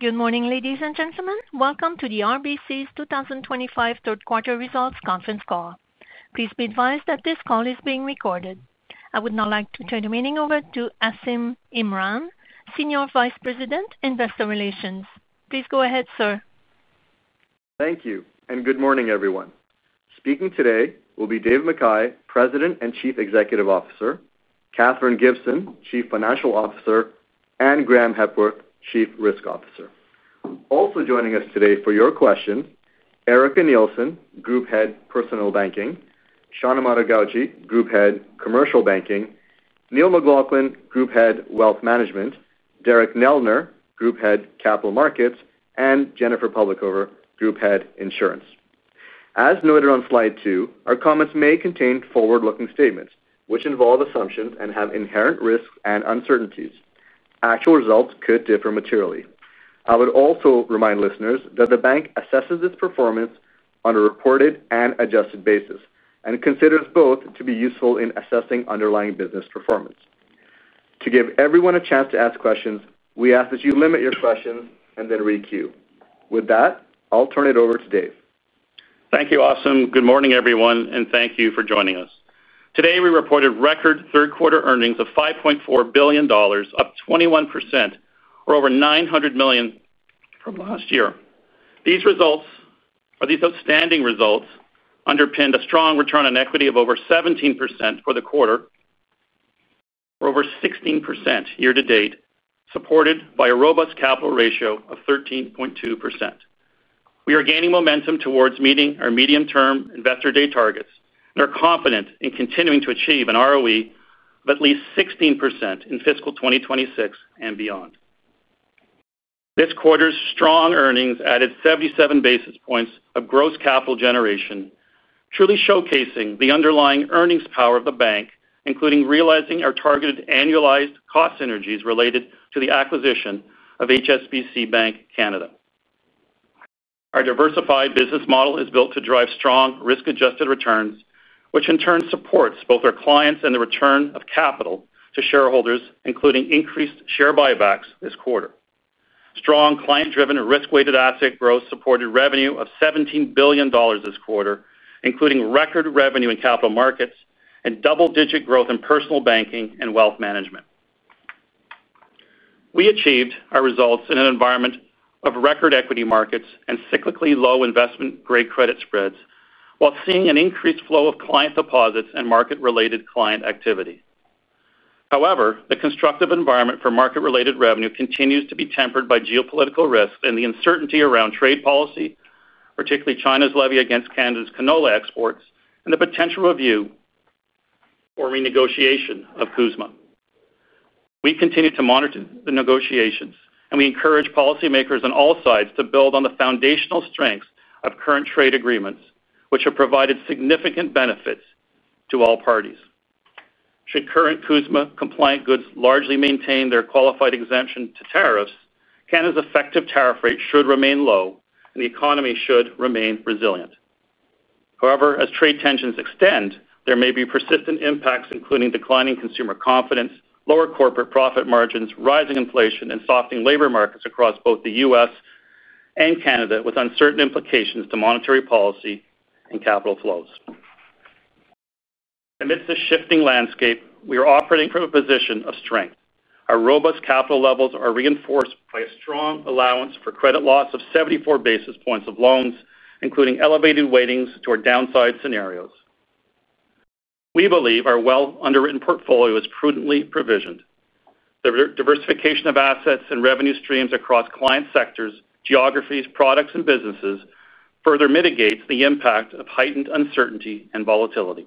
Good morning ladies and gentlemen. Welcome to RBC's 2025 third quarter results conference call. Please be advised that this call is being recorded. I would now like to turn the meeting over to Asim Imran, Senior Vice President, Investor Relations. Please go ahead sir. Thank you and good morning everyone. Speaking today will be Dave McKay, President and Chief Executive Officer, Katherine Gibson, Chief Financial Officer, and Graeme Hepworth, Chief Risk Officer. Also joining us today for your question, Erica Nielsen, Group Head Personal Banking, Sean Amato-Gauci, Group Head Commercial Banking, Neil McLaughlin, Group Head Wealth Management, Derek Neldner, Group Head Capital Markets, and Jennifer Publicover, Group Head Insurance. As noted on slide 2, our comments may contain forward-looking statements which involve assumptions and have inherent risks and uncertainties. Actual results could differ materially. I would also remind listeners that the bank assesses its performance on a reported and adjusted basis and considers both to be useful in assessing underlying business performance. To give everyone a chance to ask questions, we ask that you limit your question and then requeue. With that I'll turn it over to Dave. Thank you, Asim. Good morning, everyone, and thank you for joining us today. We reported record third quarter earnings of $5.4 billion, up 21% or over $900 million from last year. These outstanding results underpinned a strong return on equity of over 17% for the quarter or over 16% year to date, supported by a robust capital ratio of 13.2%. We are gaining momentum towards meeting our medium-term investor day targets and are confident in continuing to achieve an ROE of at least 16% in fiscal 2026 and beyond. This quarter's strong earnings added 77 basis points of gross capital generation, truly showcasing the underlying earnings power of the bank, including realizing our targeted annualized cost synergies related to the acquisition of HSBC Bank Canada. Our diversified business model is built to drive strong risk-adjusted returns, which in turn supports both our clients and the return of capital to shareholders, including increased share buybacks this quarter. Strong client-driven and risk-weighted asset growth supported revenue of $17 billion this quarter, including record revenue in capital markets and double-digit growth in personal banking and wealth management. We achieved our results in an environment of record equity markets and cyclically low investment grade credit spreads while seeing an increased flow of client deposits and market-related client activity. However, the constructive environment for market-related revenue continues to be tempered by geopolitical risks and the uncertainty around trade policy, particularly China's levy against Canada's canola exports and the potential review of or renegotiation of CUZMA. We continue to monitor the negotiations, and we encourage policymakers on all sides to build on the foundational strengths of current trade agreements, which have provided significant benefits to all parties. Should current CUZMA-compliant goods largely maintain their qualified exemption to tariffs, Canada's effective tariff rate should remain low and the economy should remain resilient. However, as trade tensions extend, there may be persistent impacts, including declining consumer confidence, lower corporate profit margins, rising inflation, and softening labor markets across both the U.S. and Canada, with uncertain implications to monetary. Policy and capital flows. Amidst the shifting landscape, we are operating from a position of strength. Our robust capital levels are reinforced by a strong allowance for credit losses of 74 basis points of loans, including elevated weightings toward downside scenarios. We believe our well underwritten portfolio is prudently provisioned. The diversification of assets and revenue streams across client sectors, geographies, products, and businesses further mitigates the impact of heightened uncertainty and volatility.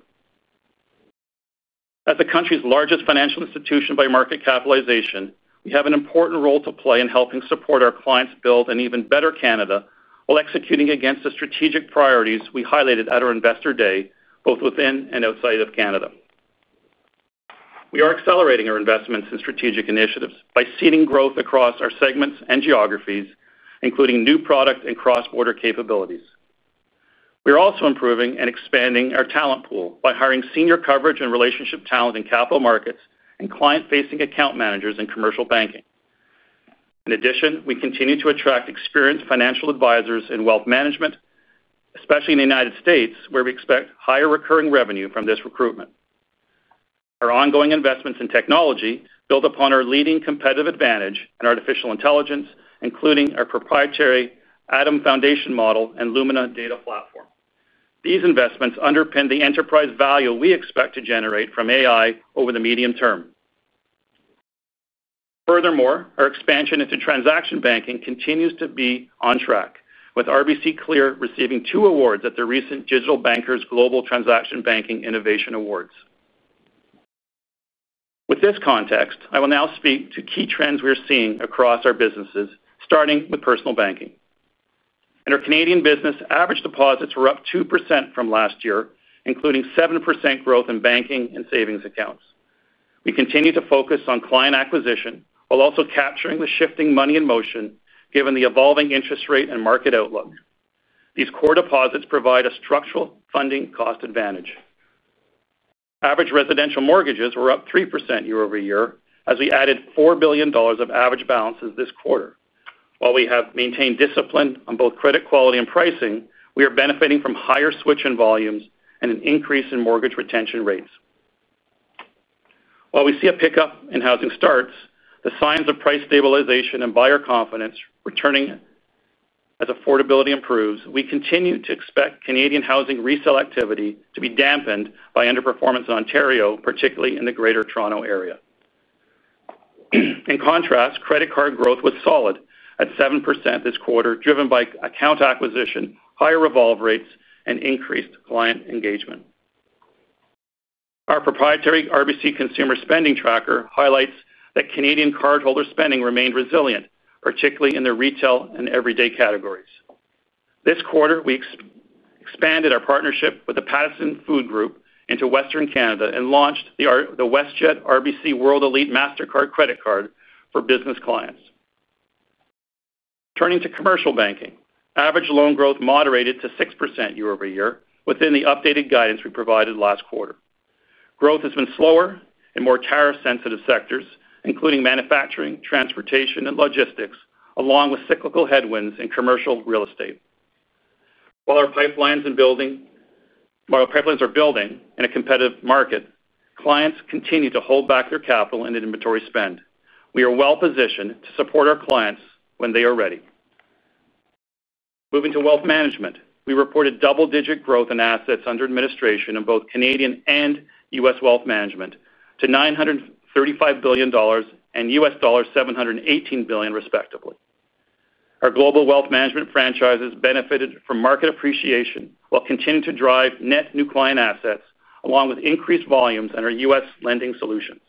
As the country's largest financial institution by market capitalization, we have an important role to play in helping support our clients build an even better Canada while executing against the strategic priorities we highlighted at our Investor Day. Both within and outside of Canada, we are accelerating our investments in strategic initiatives by seeding growth across our segments and geographies, including new product and cross-border capabilities. We are also improving and expanding our talent pool by hiring senior coverage and relationship talent in Capital Markets and client-facing account managers in Commercial Banking. In addition, we continue to attract experienced financial advisors in Wealth Management, especially in the United States where we expect higher recurring revenue from this recruitment. Our ongoing investments in technology build upon our leading competitive advantage in artificial intelligence, including our proprietary ADAM foundation model and Lumina data platform. These investments underpin the enterprise value we expect to generate from AI over the medium term. Furthermore, our expansion into transaction banking continues to be on track with RBC Clear receiving two awards at the recent Digital Bankers Global Transaction Banking Innovation Awards. With this context, I will now speak to key trends we are seeing across our businesses, starting with Personal Banking. In our Canadian business, average deposits were up 2% from last year, including 7% growth in banking and savings accounts. We continue to focus on client acquisition while also capturing the shifting money in motion. Given the evolving interest rate and market outlook, these core deposits provide a structural funding cost advantage. Average residential mortgages were up 3% year-over-year as we added $4 billion of average balances this quarter. While we have maintained discipline on both credit quality and pricing, we are benefiting from higher switch-in volumes and an increase in mortgage retention rates. We see a pickup in housing starts, with signs of price stabilization and buyer confidence returning as affordability improves. We continue to expect Canadian housing resale activity to be dampened by underperformance in Ontario, particularly in the Greater Toronto Area. In contrast, credit card growth was solid at 7% this quarter, driven by account acquisition, higher revolve rates, and increased client engagement. Our proprietary RBC Consumer Spending Tracker highlights that Canadian cardholder spending remained resilient, particularly in the retail and everyday categories. This quarter, we expanded our partnership with the Patterson Food Group into Western Canada and launched the WestJet RBC World Elite MasterCard credit card for business clients. Turning to Commercial Banking, average loan growth moderated to 6% year-over-year within the updated guidance we provided last quarter. Growth has been slower in more tariff-sensitive sectors, including manufacturing, transportation, and logistics, along with cyclical headwinds in commercial real estate. While our pipelines are building in a competitive market, clients continue to hold back their capital and inventory spend. We are well positioned to support our clients when they are ready. Moving to Wealth Management, we reported double-digit growth in assets under administration in both Canadian and U.S. wealth management to $935 billion and $718 billion, respectively. Our global Wealth Management franchises benefited from market appreciation while continuing to drive net new client assets along with increased volumes on our U.S. Lending solutions.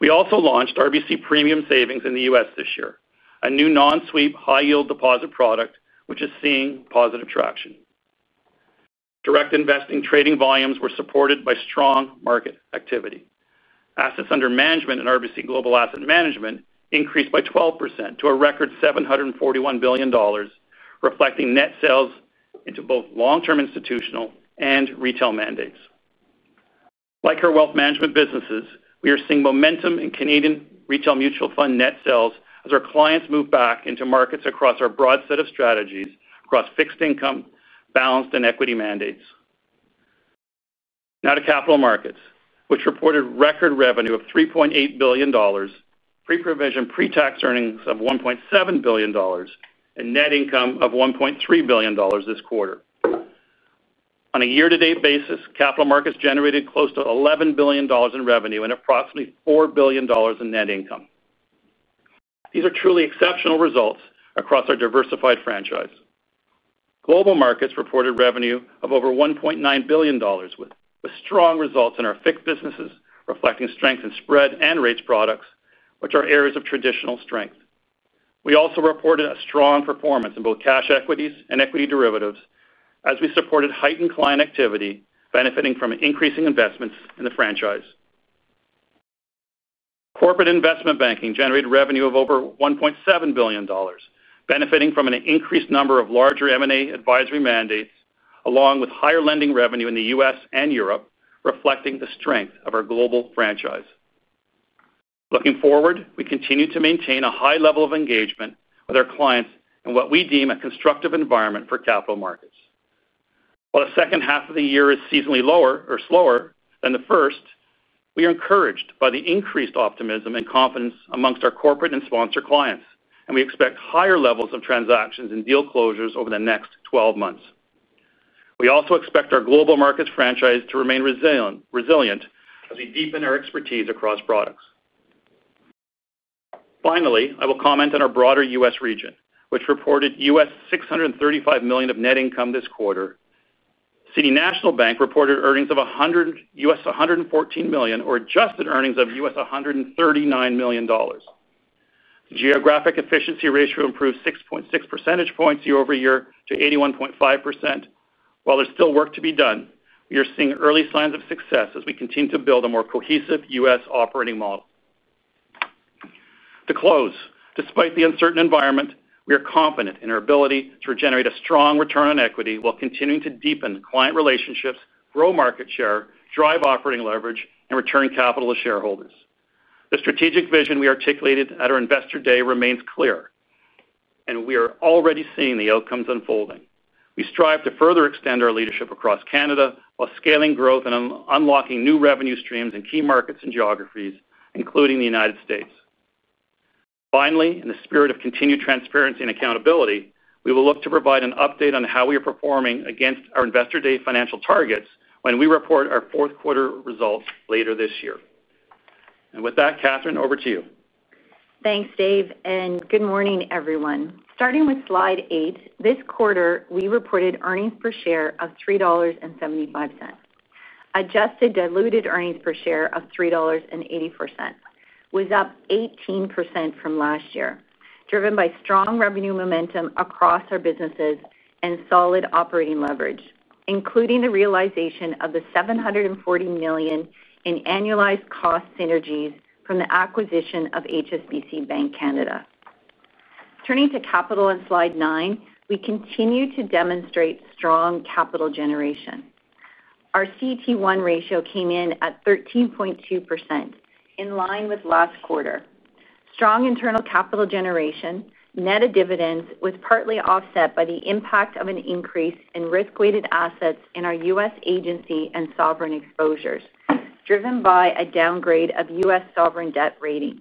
We also launched RBC Premium Savings in the U.S. this year, a new non-sweep high-yield deposit product which is seeing positive traction. Direct investing trading volumes were supported by strong market activity. Assets under management in RBC Global Asset Management increased by 12% to a record $741 billion, reflecting net sales into both long-term institutional and retail mandates. Like our Wealth Management businesses, we are seeing momentum in Canadian retail mutual fund net sales as our clients move back into markets across our broad set of strategies across fixed income, balanced, and equity mandates. Now to Capital Markets, which reported record revenue of $3.8 billion, pre-provision pre-tax earnings of $1.7 billion, and net income of $1.3 billion this quarter. On a year-to-date basis, Capital Markets generated close to $11 billion in revenue and approximately $4 billion in net income. These are truly exceptional results across our diversified franchise. Global Markets reported revenue of over $1.9 billion, with strong results in our FICC businesses reflecting strength in spread and rates products, which are areas of traditional strength. We also reported a strong performance in both cash equities and equity derivatives as we supported heightened client activity, benefiting from increasing investments in the franchise. Corporate Investment Banking generated revenue of over $1.7 billion, benefiting from an increased number of larger M&A advisory mandates along with higher lending revenue in the U.S. and Europe, reflecting the strength of our global franchise. Looking forward, we continue to maintain a high level of engagement with our clients in what we deem a constructive environment for capital markets. While the second half of the year is seasonally lower or slower than the first, we are encouraged by the increased optimism and confidence amongst our corporate and sponsor clients, and we expect higher levels of transactions and deal closures over the next 12 months. We also expect our Global Markets franchise to remain resilient as we deepen our expertise across products. Finally, I will comment on our broader U.S. region, which reported $635 million of net income this quarter. City National Bank reported earnings of $114 million or adjusted earnings of $139 million. Geographic efficiency ratio improved 6.6% year-over-year to 81.5%. While there's still work to be done, we are seeing early signs of success as we continue to build a more cohesive U.S. operating model. To close, despite the uncertain environment, we are confident in our ability to generate a strong return on equity while continuing to deepen client relationships, grow market share, drive operating leverage, and return capital to shareholders. The strategic vision we articulated at our Investor Day remains clear, and we are already seeing the outcomes unfolding. We strive to further extend our leadership across Canada while scaling growth and unlocking new revenue streams in key markets and geographies, including the United States. Finally, in the spirit of continued transparency and accountability, we will look to provide an update on how we are performing against our Investor Day financial targets when we report our fourth quarter results later this year. With that, Katherine, over to you. Thanks Dave and good morning everyone. Starting with Slide 8, this quarter we reported earnings per share of $3.75. Adjusted diluted earnings per share of $3.80 was up 18% from last year, driven by strong revenue momentum across our businesses and solid operating leverage, including the realization of the $740 million in annualized cost synergies from the acquisition of HSBC Bank Canada. Turning to capital on Slide 9, we continue to demonstrate strong capital generation. Our CET1 ratio came in at 13.2%, in line with last quarter. Strong internal capital generation net of dividends was partly offset by the impact of an increase in risk-weighted assets in our U.S. agency and sovereign exposures, driven by a downgrade of U.S. sovereign debt rating.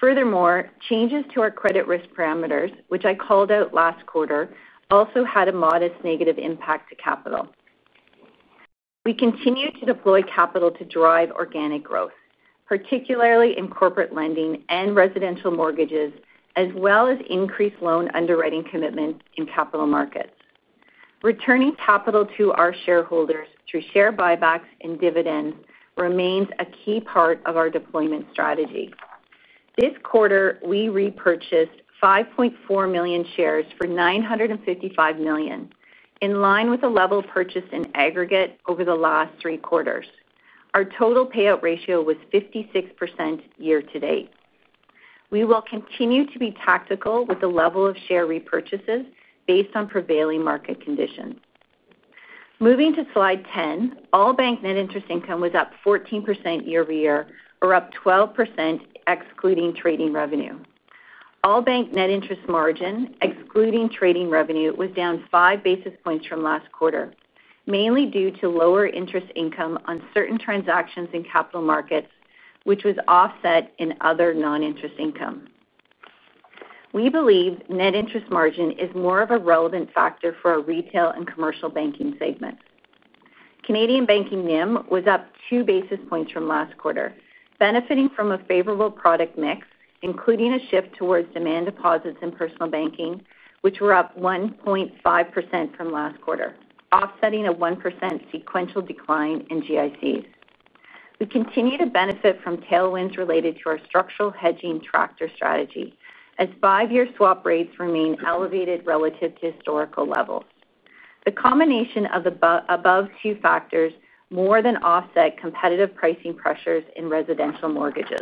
Furthermore, changes to our credit risk parameters, which I called out last quarter, also had a modest negative impact to capital. We continue to deploy capital to drive organic growth, particularly in corporate lending and residential mortgages, as well as increased loan underwriting commitment in capital markets. Returning capital to our shareholders through share buybacks and dividends remains a key part of our deployment strategy. This quarter we repurchased 5.4 million shares for $955 million, in line with the level purchased in aggregate over the last three quarters. Our total payout ratio was 56% year to date. We will continue to be tactical with the level of share repurchases based on prevailing market conditions. Moving to Slide 10, all bank net interest income was up 14% year-over-year, or up 12% excluding trading revenue. All bank net interest margin excluding trading revenue was down 5 basis points from last quarter, mainly due to lower interest income on certain transactions in capital markets, which was offset in other non-interest income. We believe net interest margin is more of a relevant factor for our retail and commercial banking segment. Canadian Banking NIM was up two basis points from last quarter, benefiting from a favorable product mix, including a shift towards demand deposits in personal banking, which were up 1.5% from last quarter, offsetting a 1% sequential decline in GICs. We continue to benefit from tailwinds related to our structural hedging tractor strategy as five-year swap rates remain elevated relative to historical levels. The combination of the above two factors more than offset competitive pricing pressures in residential mortgages.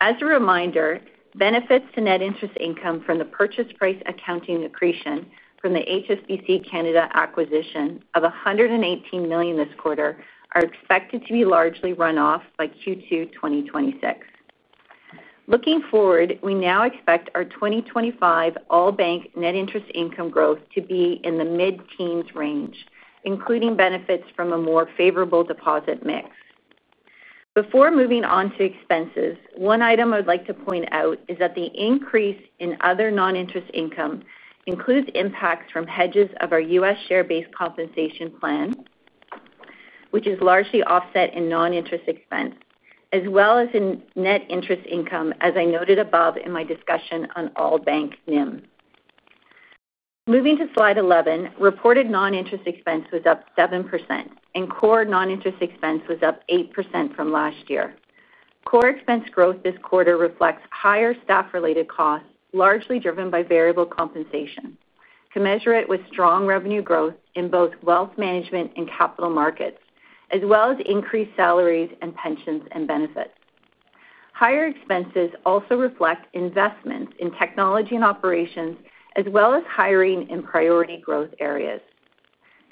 As a reminder, benefits to net interest income from the purchase price accounting accretion from the HSBC Bank Canada acquisition of $118 million this quarter are expected to be largely run off by Q2 2026. Looking forward, we now expect our 2025 all bank net interest income growth to be in the mid teens range including benefits from a more favorable deposit mix. Before moving on to expenses, one item I would like to point out is that the increase in other non interest income includes impacts from hedges of our U.S. share based compensation plan, which is largely offset in non interest expense as well as in net interest income, as I noted above in my discussion on all bank NIM. Moving to slide 11, reported non interest expense was up 7% and core non interest expense was up 8% from last year. Core expense growth this quarter reflects higher staff related costs largely driven by variable compensation to measure it with strong revenue growth in both Wealth Management and Capital Markets, as well as increased salaries and pensions and benefits. Higher expenses also reflect investments in technology and operations as well as hiring in priority growth areas.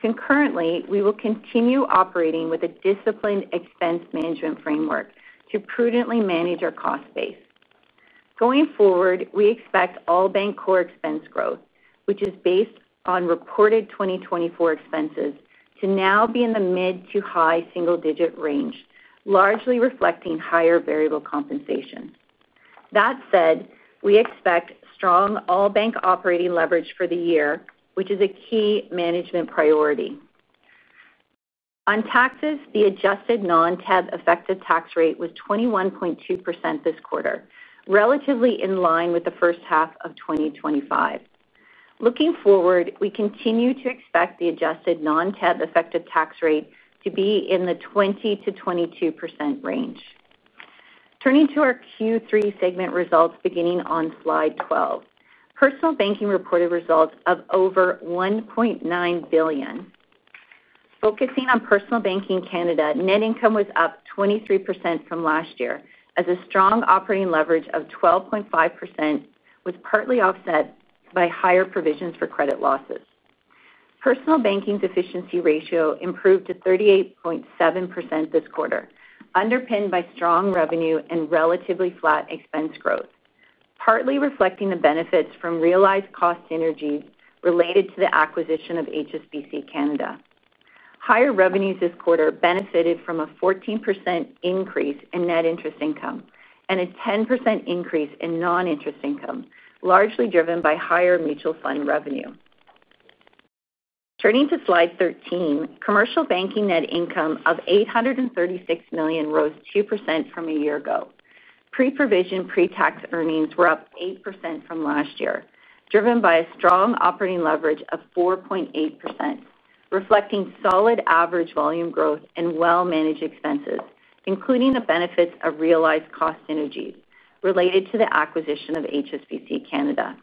Concurrently, we will continue operating with a disciplined expense management framework to prudently manage our cost base. Going forward, we expect all bank core expense growth, which is based on reported 2024 expenses, to now be in the mid to high single digit range, largely reflecting higher variable compensation. That said, we expect strong all bank operating leverage for the year, which is a key management priority. On taxes, the adjusted non TEB effective tax rate was 21.2% this quarter, relatively in line with the first half of 2025. Looking forward, we continue to expect the adjusted non TEB effective tax rate to be in the 20%-22% range. Turning to our Q3 segment results beginning on slide 12, Personal Banking reported results of over $1.9 billion. Focusing on Personal Banking Canada, net income was up 23% from last year as a strong operating leverage of 12.5% was partly offset by higher provisions for credit losses. Personal Banking efficiency ratio improved to 38% this quarter, underpinned by strong revenue and relatively flat expense growth, partly reflecting the benefits from realized cost synergies related to the acquisition of HSBC Bank Canada. Higher revenues this quarter benefited from a 14% increase in net interest income and a 10% increase in non-interest income, largely driven by higher mutual fund revenue. Turning to slide 13, Commercial Banking net income of $836 million rose 2% from a year ago. Pre-provision pre-tax earnings were up 8% from last year, driven by a strong operating leverage of 4.8%, reflecting solid average volume growth and well-managed expenses, including the benefits of realized cost synergies related to the acquisition of HSBC Bank Canada.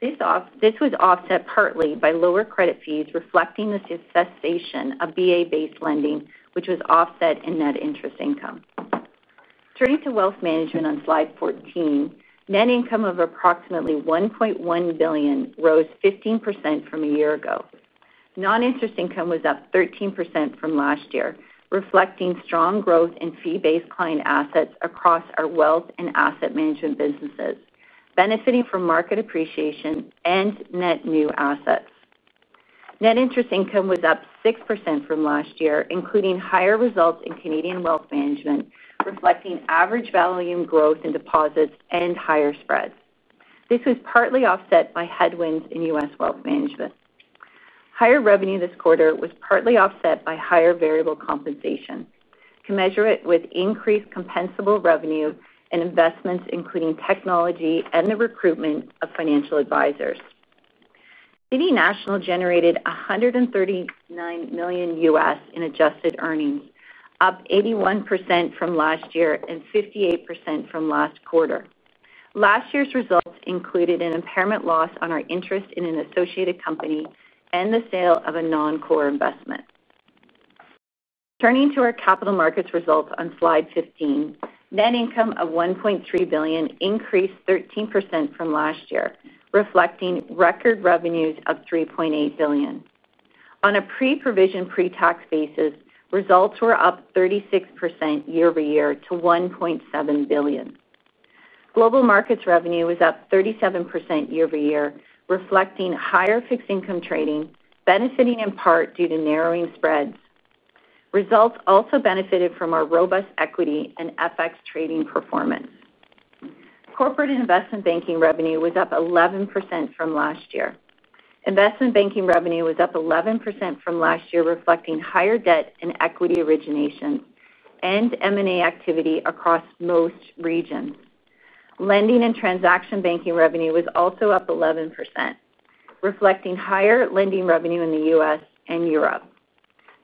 This was offset partly by lower credit fees reflecting the succession of BA-based lending, which was offset in net interest income. Turning to Wealth Management on slide 14, net income of approximately $1.1 billion rose 15% from a year ago. Non-interest income was up 13% from last year, reflecting strong growth in fee-based client assets across our Wealth and Asset Management businesses, benefiting from market appreciation and net new assets. Net interest income was up 6% from last year, including higher results in Canadian Wealth Management reflecting average volume growth in deposits and higher spreads. This was partly offset by headwinds in U.S. Wealth Management. Higher revenue this quarter was partly offset by higher variable compensation commensurate with increased compensable revenue and investments, including technology and the recruitment of financial advisors. City National Bank generated $139 million U.S. in adjusted earnings, up 81% from last year and 58% from last quarter. Last year's results included an impairment loss on our interest in an associated company and the sale of a non-core investment. Turning to our Capital Markets results on slide 15, net income of $1.3 billion increased 13% from last year, reflecting record revenues of $3.8 billion on a pre-provision pre-tax basis. Results were up 36% year-over-year to $1.7 billion. Global Markets revenue was up 37% year-over-year, reflecting higher fixed income trading, benefiting in part due to narrowing spreads. Results also benefited from our robust equity and FX trading performance. Corporate Investment Banking revenue was up 11% from last year. Investment Banking revenue was up 11% from last year, reflecting higher debt and equity origination and M&A activity across most regions. Lending and Transaction Banking revenue was also up 11%, reflecting higher lending revenue in the U.S. and Europe.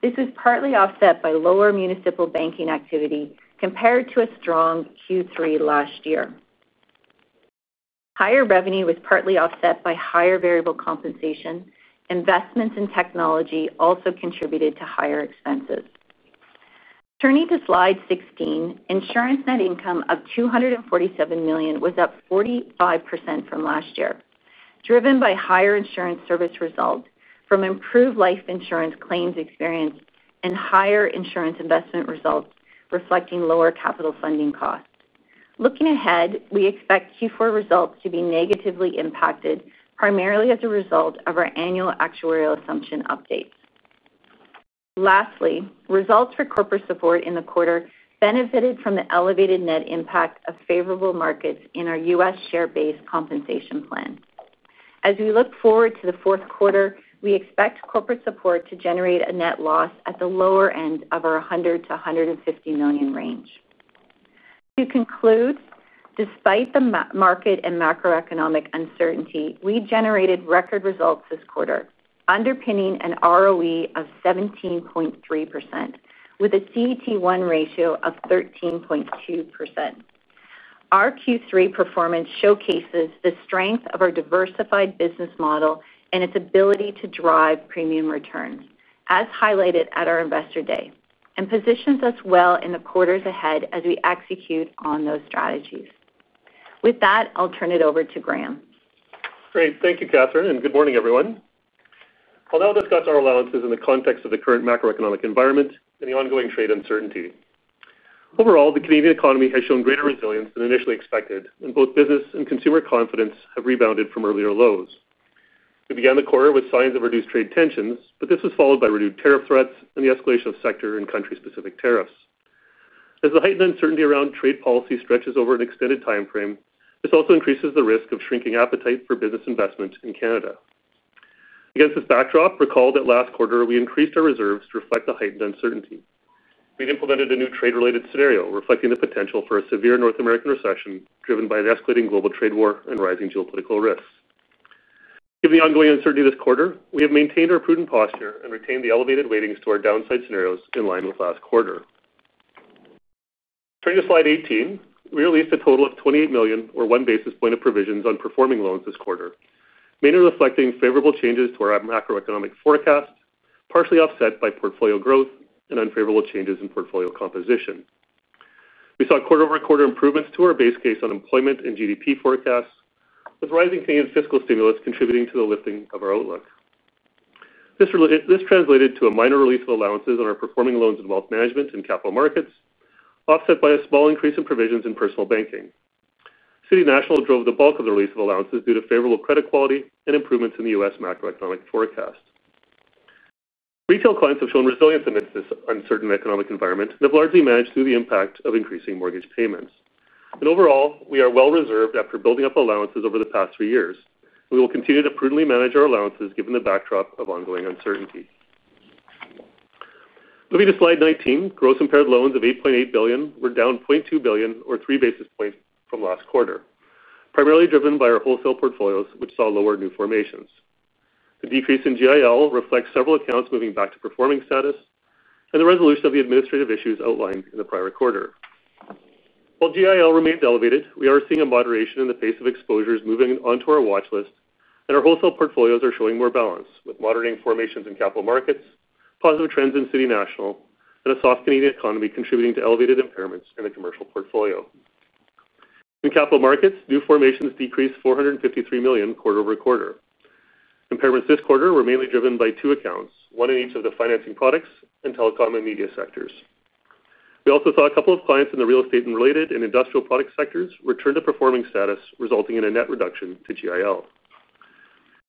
This was partly offset by lower municipal banking activity compared to a strong Q3 last year. Higher revenue was partly offset by higher variable compensation. Investments in technology also contributed to higher expenses. Turning to Slide 16, Insurance net income of $247 million was up 45% from last year, driven by higher insurance service result from improved life insurance claims experience and higher insurance investment results reflecting lower capital funding costs. Looking ahead, we expect Q4 results to be negatively impacted, primarily as a result of our annual actuarial assumption updates. Lastly, results for Corporate Support in the quarter benefited from the elevated net impact of favorable markets in our U.S. share-based compensation plan. As we look forward to the fourth quarter, we expect Corporate Support to generate a net loss at the lower end of our $100 million-$150 million range. To conclude, despite the market and macroeconomic uncertainty, we generated record results this quarter underpinning an ROE of 17.3% with a CET1 ratio of 13.2%. Our Q3 performance showcases the strength of our diversified business model and its ability to drive premium returns as highlighted at our Investor Day, and positions us well in the quarters ahead as we execute on those strategies. With that, I'll turn it over to Graeme. Great. Thank you, Katherine, and good morning, everyone. I'll now discuss our allowances in the context of the current macroeconomic environment and the ongoing trade uncertainty. Overall, the Canadian economy has shown greater resilience than initially expected, and both business and consumer confidence have rebounded from earlier lows. We began the quarter with signs of reduced trade tensions, but this was followed by renewed tariff threats and the escalation of sector and country-specific tariffs as the heightened uncertainty around trade policy stretches over an extended time frame. This also increases the risk of shrinking appetite for business investment in Canada. Against this backdrop, recall that last quarter we increased our reserves to reflect the heightened uncertainty. We'd implemented a new trade-related scenario reflecting the potential for a severe North American recession driven by an escalating global trade war and rising geopolitical risks. Given the ongoing uncertainty this quarter, we have maintained our prudent posture and retained the elevated weightings to our downside scenarios in line with last quarter. Turning to slide 18, we released a total of $28 million, or 1 basis point, of provisions on performing loans this quarter, mainly reflecting favorable changes to our macroeconomic forecast, partially offset by portfolio growth and unfavorable changes in portfolio composition. We saw quarter-over-quarter improvements to our base case unemployment and GDP forecasts, with rising Canadian fiscal stimulus contributing to the lifting of our outlook. This translated to a minor release of allowances on our performing loans in Wealth Management and Capital Markets, offset by a small increase in provisions in Personal Banking. City National Bank drove the bulk of the release of allowances due to favorable credit quality and improvements in the U.S. macroeconomic forecast. Retail clients have shown resilience amidst this uncertain economic environment and have largely managed through the impact of increasing mortgage payments, and overall we are well reserved after building up allowances over the past three years. We will continue to prudently manage our allowances given the backdrop of ongoing uncertainty. Moving to slide 19, gross impaired loans of $8.8 billion were down $0.2 billion, or 3 basis points, from last quarter, primarily driven by our wholesale portfolios, which saw lower new formations. The decrease in GIL reflects several accounts moving back to performing status and the resolution of the administrative issues outlined in the prior quarter. While GIL remains elevated, we are seeing a moderation in the pace of exposures moving onto our watch list, and our wholesale portfolios are showing more balance with moderating formations in Capital Markets. Positive trends in City National and a soft Canadian economy are contributing to elevated impairments in the commercial portfolio. In Capital Markets, new formations decreased $453 million quarter-over-quarter. Impairments this quarter were mainly driven by two accounts, one in each of the financing products and telecom and media sectors. We also saw a couple of clients in the real estate and related and industrial products sectors return to performing status, resulting in a net reduction to GIL.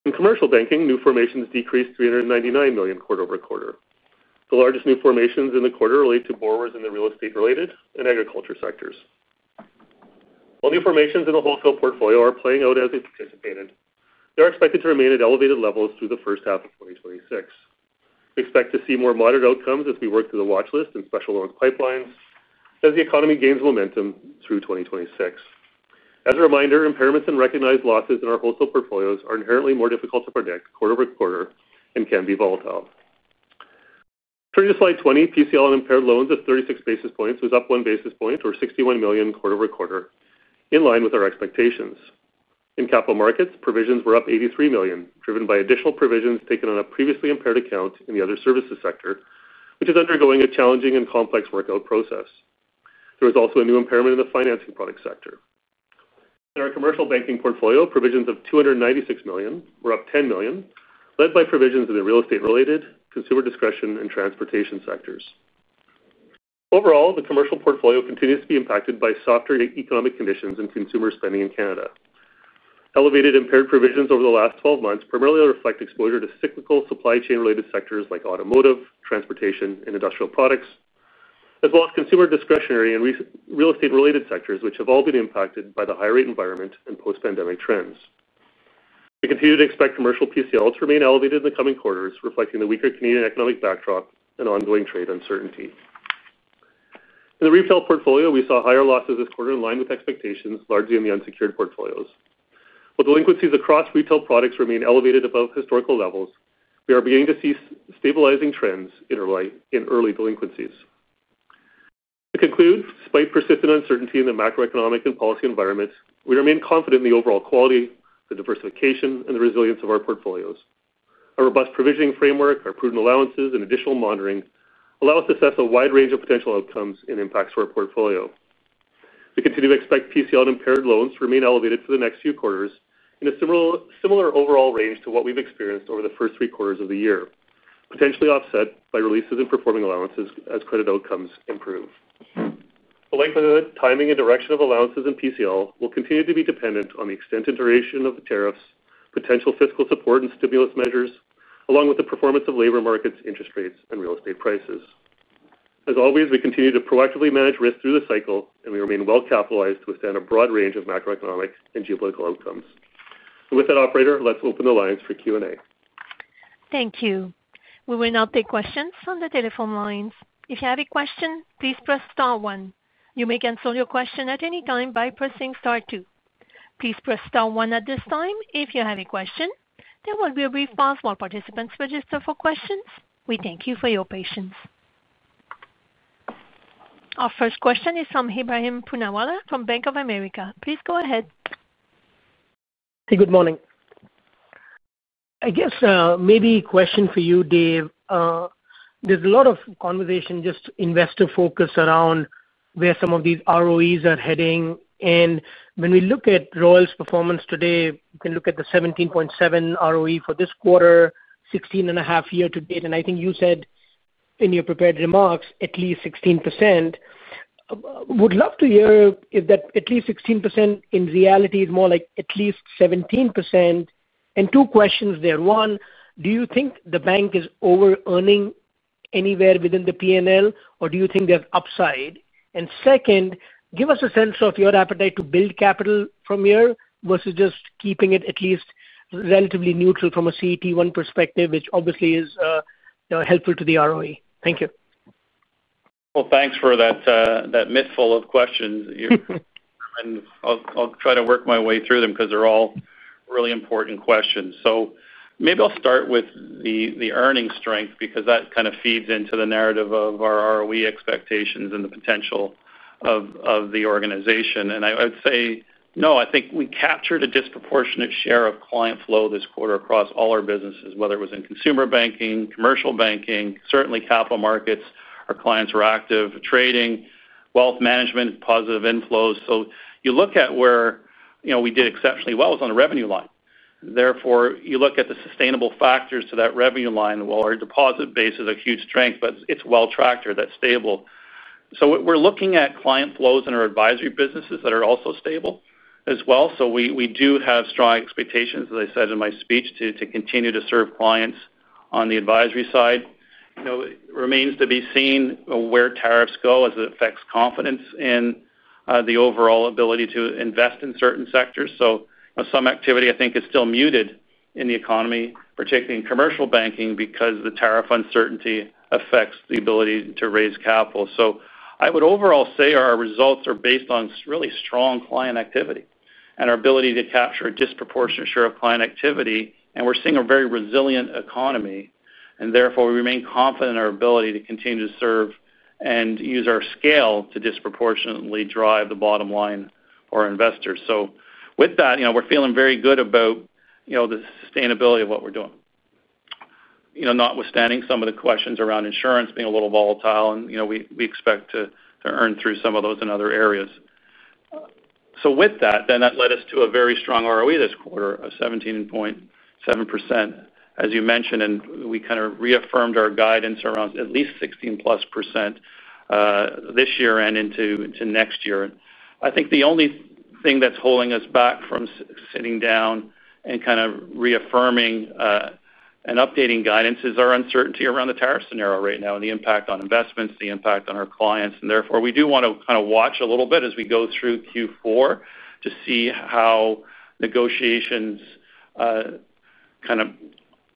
In Commercial Banking, new formations decreased $399 million quarter over quarter. The largest new formations in the quarter relate to borrowers in the real estate related and agriculture sectors. While new formations in the wholesale portfolio are playing out as we anticipated, they are expected to remain at elevated levels through the first half of 2026. Expect to see more moderate outcomes as we work through the watch list and special loans pipelines as the economy gains momentum through 2026. As a reminder, impairments and recognized losses in our wholesale portfolios are inherently more difficult to predict quarter over quarter and can be volatile. Turning to slide 20, PCL on unimpaired loans of 36 basis points was up 1 basis point or $61 million quarter-over-quarter, in line with our expectations. In Capital Markets, provisions were up $83 million, driven by additional provisions taken on a previously impaired account. In the other services sector, which is undergoing a challenging and complex workout process, there was also a new impairment in the financing product sector. In our Commercial Banking portfolio, provisions of $296 million were up $10 million, led by provisions in the real estate related, consumer discretion, and transportation sectors. Overall, the commercial portfolio continues to be impacted by softer economic conditions and consumer spending in Canada. Elevated impaired provisions over the last 12 months primarily reflect exposure to cyclical supply chain related sectors like automotive, transportation, and industrial products, as well as consumer discretionary and real estate related sectors, which have all been impacted by the high rate environment and post-pandemic trends. We continue to expect commercial PCL to remain elevated in the coming quarters, reflecting the weaker Canadian economic backdrop and ongoing trade uncertainty. In the retail portfolio, we saw higher losses this quarter in line with expectations, largely in the unsecured portfolios. While delinquencies across retail products remain elevated above historical levels, we are beginning to see stabilizing trends in early delinquencies. To conclude, despite persistent uncertainty in the macroeconomic and policy environment, we remain confident in the overall quality, the diversification, and the resilience of our portfolios. Our robust provisioning framework, our prudent allowances, and additional monitoring allow us to assess a wide range of potential outcomes and impacts to our portfolio. We continue to expect PCL and impaired loans to remain elevated for the next few quarters in a similar overall range to what we've experienced over the first three quarters of the year, potentially offset by releases and performing allowances as credit outcomes improve. The length, the timing, and direction of allowances in PCL will continue to be dependent on the extent and duration of the tariffs, potential fiscal support and stimulus measures, along with the performance of labor markets, interest rates, and real estate prices. As always, we continue to proactively manage risk through the cycle, and we remain well capitalized to withstand a broad range of macroeconomic and geopolitical outcomes. With that, operator, let's open the lines for Q and A. Thank you. We will now take questions from the telephone lines. If you have a question, please press Star one. You may cancel your question at any time by pressing Star two. Please press Star one at this time. If you have a question, there will be a brief pause while participants register for questions. We thank you for your patience. Our first question is from Ebrahim Poonawala from Bank of America. Please go ahead. Hey, good morning. I guess maybe a question for you, Dave. There's a lot of conversation, just investor focus, around where some of these ROEs are heading. When we look at Royal's performance today, you can look at the 17.7% ROE for this quarter, 16.5% year to date. I think you said in your prepared remarks at least 16%. Would love to hear if that at least 16% in reality is more like at least 17%. Two questions there. One, do you think the bank is over earning anywhere within the P&L or do you think they have upside? Second, give us a sense of your appetite to build capital from here versus just keeping it at least relatively neutral from a CET1 perspective, which obviously is helpful to the ROE. Thank you. Thank you for that mindful set of questions. I'll try to work my way through them because they're all really important questions. Maybe I'll start with the earnings strength because that kind of feeds into the narrative of our ROE expectations and the potential of the organization. I would say no, I think we captured a disproportionate share of client flow this quarter across all our businesses, whether it was in consumer banking, commercial banking, certainly Capital Markets. Our clients are active trading, Wealth Management, positive inflows. You look at where we did exceptionally well, it was on the revenue line. Therefore, you look at the sustainable factors to that revenue line. Our deposit base is a huge strength, but it's well tracked or that's stable. We're looking at client flows in our advisory businesses that are also stable as well. We do have strong expectations, as I said in my speech, to continue to serve clients. On the advisory side, it remains to be seen where tariffs go as it affects confidence in the overall ability to invest in certain sectors. Some activity I think is still muted in the economy, particularly in Commercial Banking, because the tariff uncertainty affects the ability to raise capital. I would overall say our results are based on really strong client activity and our ability to capture a disproportionate share of client activity. We're seeing a very resilient economy. Therefore, we remain confident in our ability to continue to serve and use our scale to disproportionately drive the bottom line for investors. We're feeling very good about the sustainability of what we're doing, notwithstanding some of the questions around Insurance being a little volatile, and we expect to earn through some of those in other areas. That led us to a very strong ROE this quarter, a 17.7% as you mentioned. We kind of reaffirmed our guidance around at least 16%+ this year and into next year. I think the only thing that's holding us back from sitting down and kind of reaffirming and updating guidance is our uncertainty around the tariff scenario right now and the impact on investments, the impact on our clients. We do want to kind of watch a little bit as we go through Q4 to see how negotiations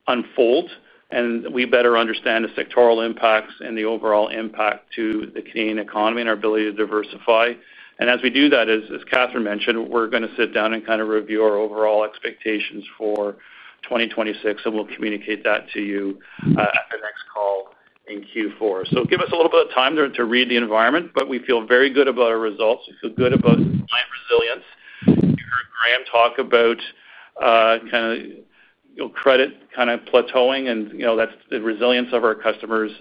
unfold and we better understand the sectoral impacts and the overall impact to the Canadian economy and our ability to diversify. As we do that, as Katherine Gibson mentioned, we're going to sit down and review our overall expectations for 2026 and we'll communicate that to you. At the next call in Q4. Give us a little bit of time to read the environment. We feel very good about our results. We feel good about resilience. You heard Graeme talk about credit kind of plateauing, and that's the resilience of our customers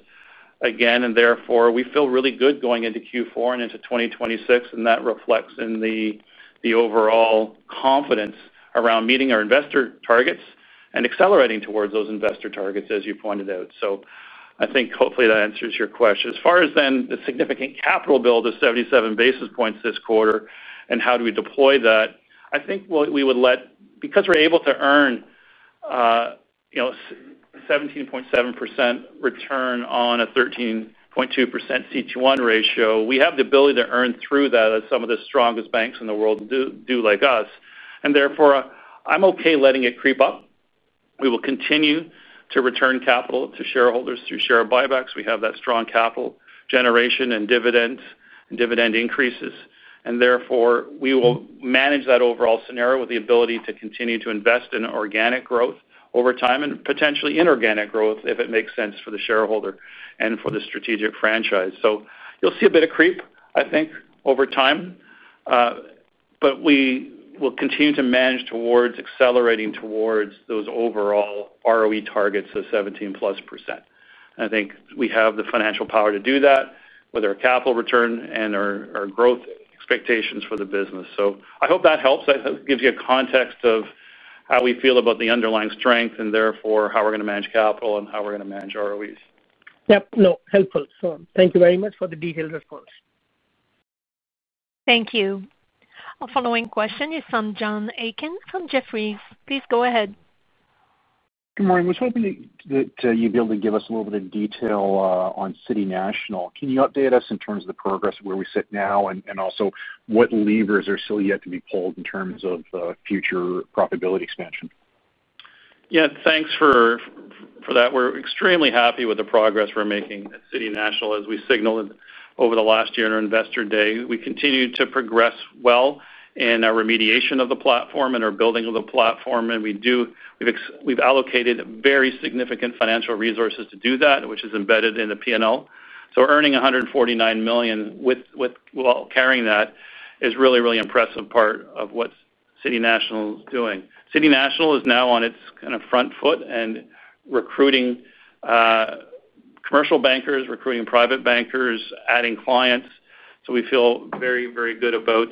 again. We feel really good going into Q4 and into 2026. That reflects in the overall confidence around meeting our investor targets and accelerating towards those investor targets, as you pointed out. I think hopefully that answers your question as far as the significant capital build of 77 basis points this quarter and how do we deploy that. I think we would let, because we're able to earn 17.7% return on a 13.2% CET1 ratio. We have the ability to earn through that as some of the strongest banks in the world do, like us. Therefore, I'm okay letting it creep up. We will continue to return capital to shareholders through share buybacks. We have that strong capital generation and dividends and dividend increases. We will manage that overall scenario with the ability to continue to invest in organic growth over time and potentially inorganic growth if it makes sense for the shareholder and for the strategic franchise. You'll see a bit of creep, I think, over time. We will continue to manage towards accelerating towards those overall ROE targets of 17%+. I think we have the financial power to do that with our capital return and our growth expectations for the business. I hope that helps. I hope it gives you a context of how we feel about the underlying strength and therefore how we're going to manage capital and how we're going to manage ROEs. No, helpful. Thank you very much for the detailed response. Thank you. Our following question is from John Aiken from Jefferies. Please go ahead. Good morning. I was hoping that you'd be able to give us a little bit of information detail on City National. Can you update us in terms of the progress where we sit now. Also, what levers are still yet to be pulled in terms of future profitability expansion? Yeah, thanks for that. We're extremely happy with the progress we're making at City National Bank. As we signaled over the last year in our investor day, we continue to progress well in our remediation of the platform and our building of the platform. We've allocated very significant financial resources to do that, which is embedded in the P&L. Earning $149 million while carrying that is really, really impressive. Part of what City National Bank is doing is now on its kind of front foot and recruiting commercial bankers, recruiting private bankers, adding clients. We feel very, very good about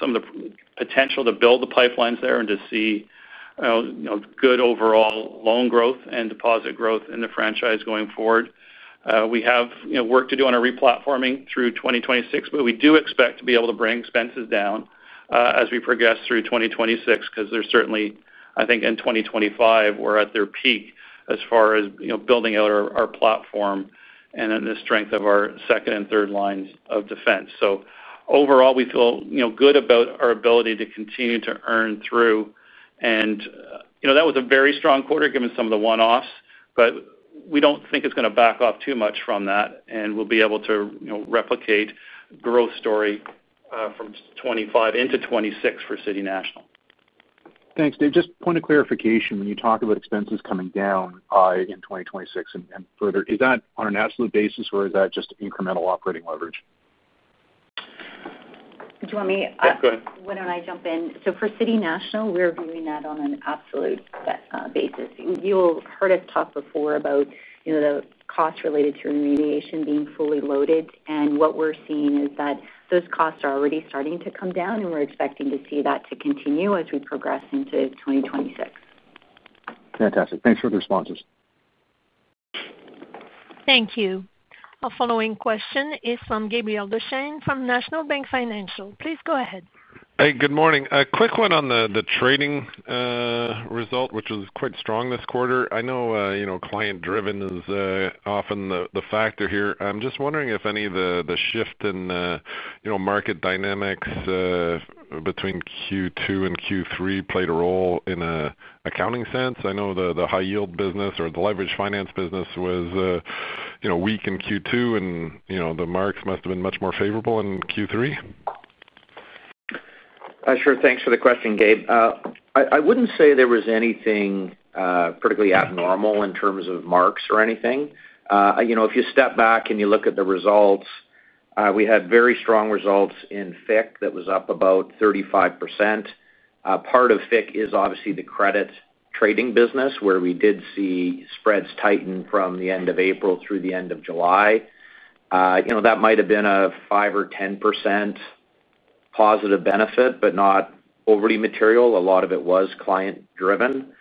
some of the potential to build the pipelines there and to see good overall loan growth and deposit growth in the franchise going forward. We have work to do on our re-platforming through 2026, but we do expect to be able to bring expenses down as we progress through 2026 because certainly, I think in 2025 they're at their peak as far as building out our platform and then the strength of our second and third lines of defense. Overall, we feel good about our ability to continue to earn through, and that was a very strong quarter given some of the one-offs. We don't think it's going to back off too much from that, and we'll be able to replicate growth story from 2025 into 2026 for City National Bank. Thanks, Dave. Just a point of clarification, when you talk about expenses coming down in 2026. Is that on an absolute basis? Is that just incremental operating leverage? Why don't I jump in? For City National Bank, we're doing that on an absolute basis. You've heard us talk before about the costs related to remediation being fully loaded, and what we're seeing is that those costs are already starting to come down. We're expecting to see that continue as we progress into 2026. Fantastic. Thanks for the responses. Thank you. A following question is from Gabriel Dechaine from National Bank Financial, please go ahead. Hey, good morning. A quick one on the trading result, which was quite strong this quarter. I know client driven is often the factor here. I'm just wondering if any of the shift in market dynamics between Q2 and Q3 played a role in an accounting sense. I know the high yield business or the leveraged finance business was weak in Q2, and the marks must have been much more favorable in Q3. Sure. Thanks for the question, Gabe. I wouldn't say there was anything particularly abnormal in terms of marks or anything. If you step back and you look at the results, we had very strong results in FICC that was up about 35%. Part of FICC is obviously the credit trading business where we did see spreads tighten from the end of April through the end of July that might have been a 5% or 10% positive benefit, but not overly material. A lot of it was client driven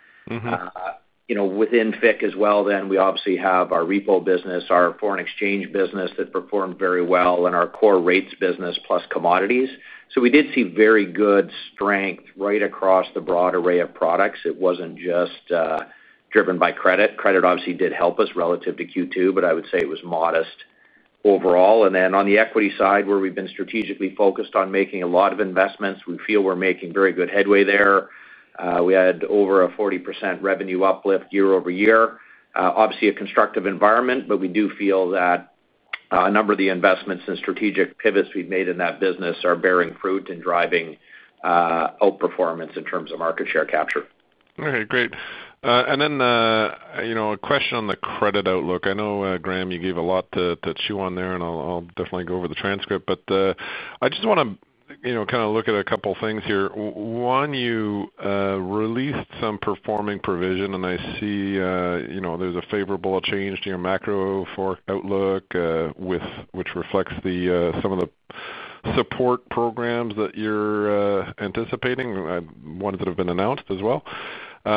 within FICC as well. We obviously have our repo business, our foreign exchange business that performed very well, and our core rates business plus commodities. We did see very good strength right across the broad array of products. It wasn't just driven by credit. Credit obviously did help us relative to Q2, but I would say it was modest overall. On the equity side where we've been strategically focused on making a lot of investments, we feel we're making very good headway there. We had over a 40% revenue uplift year-over-year. Obviously a constructive environment. We do feel that a number of the investments and strategic pivots we've made in that business are bearing fruit and driving outperformance in terms of market share capture. Great. A question on the credit outlook. I know Graeme, you gave a lot to chew on there and I'll definitely go over the transcript, but I just want to look at a couple things here. One, you released some performing provision and I see there's a favorable change to your macro for outlook which reflects some of the support programs that you're anticipating, ones that have been announced as well. Maybe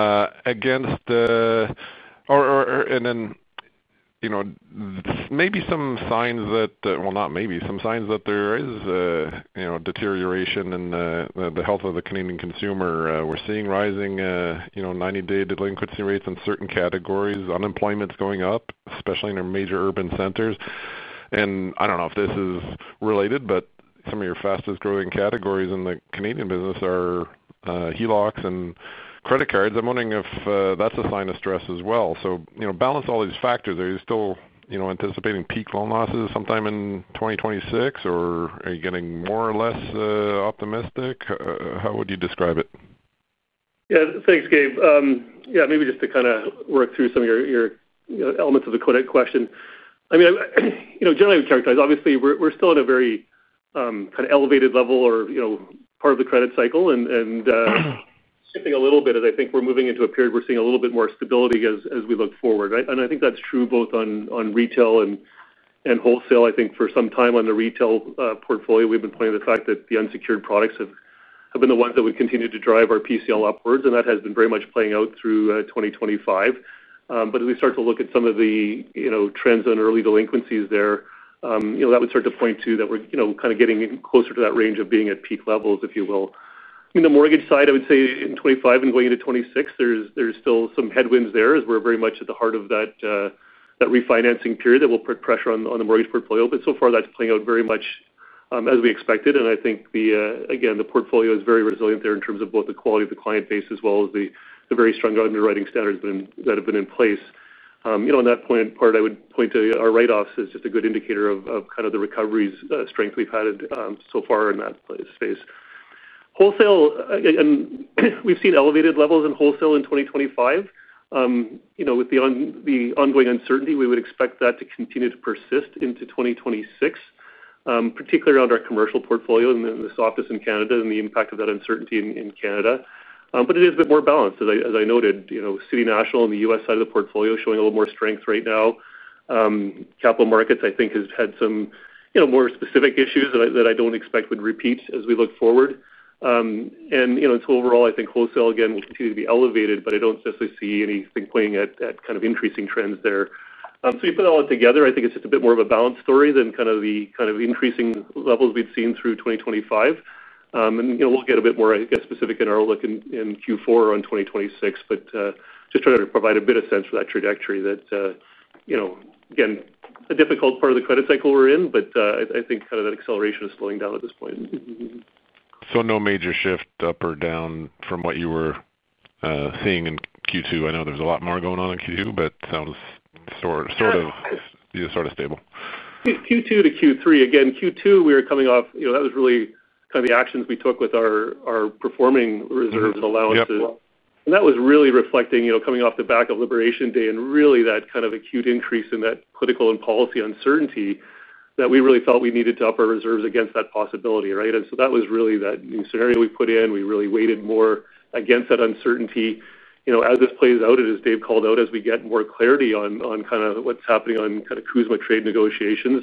some signs that there is deterioration in the health of the Canadian consumer. We're seeing rising 90-day delinquency rates in certain categories, unemployment's going up, especially in our major urban centers. I don't know if this is. Related, but some of your fastest growing categories in the Canadian business are HELOCs and credit cards. I'm wondering if that's a sign of stress as well. Balance all these factors. Are you still anticipating peak loan losses sometime in 2026 or are you getting more or less optimistic? How would you describe it? Thanks, Gabe. Maybe just to kind of work through some of your elements of the quiddit question. I mean, generally characterize, obviously we're still at a very kind of elevated level or part of the credit cycle. A little bit as I think we're moving into a period, we're seeing a little bit more stability as we look forward. I think that's true both on retail and wholesale. I think for some time on the retail portfolio we've been pointing to the fact that the unsecured products have been the ones that would continue to drive our PCL upwards and that has been very much playing out through 2025. As we start to look at some of the trends on early delinquencies there, that would start to point to that we're kind of getting closer to that range of being at peak levels, if you will. The mortgage side, I would say in 2025 and going into 2026 there's still some headwinds there as we're very much at the heart of that refinancing period that will put pressure on the mortgage portfolio. So far that's playing out very much as we expected. I think again the portfolio is very resilient there in terms of both the quality of the client base as well as the very strong government writing standards that have been in place. On that point, I would point to our write offs as just a good indicator of kind of the recovery strength we've had so far in that space. Wholesale, we've seen elevated levels in wholesale in 2025. With the ongoing uncertainty, we would expect that to continue to persist into 2026, particularly around our commercial portfolio and the softness in Canada and the impact of that uncertainty in Canada. It is a bit more balanced, as I noted, City National Bank and the U.S. side of the portfolio showing a little more strength right now. Capital Markets I think has had some more specific issues that I don't expect would repeat as we look forward. Overall, I think wholesale again will continue to be elevated, but I don't necessarily see anything playing at increasing trends there. We put it all together. I think it's just a bit more of a balanced story than the increasing levels we'd seen through 2025. We'll get a bit more, I guess, specific in our look in Q4 on 2026, just trying to provide a bit of sense for that trajectory. That, again, a difficult part of the credit cycle we're in. I think kind of that acceleration is slowing down at this point. is no major shift up or down from what you were seeing in Q2. I know there's a lot more going on in Q2, but sounds sort of. Sort of stable Q2 to Q3 again. Q2, we were coming off, that was really kind of the actions we took with our performing reserves and allowances. That was really reflecting coming off the back of Liberation Day and really that kind of acute increase in that political and policy uncertainty that we really felt we needed to up our reserves against that possibility. That was really that new scenario we put in. We really weighted more against that uncertainty. As this plays out and as Dave called out, as we get more clarity on kind of what's happening on kind of Kuzma trade negotiations,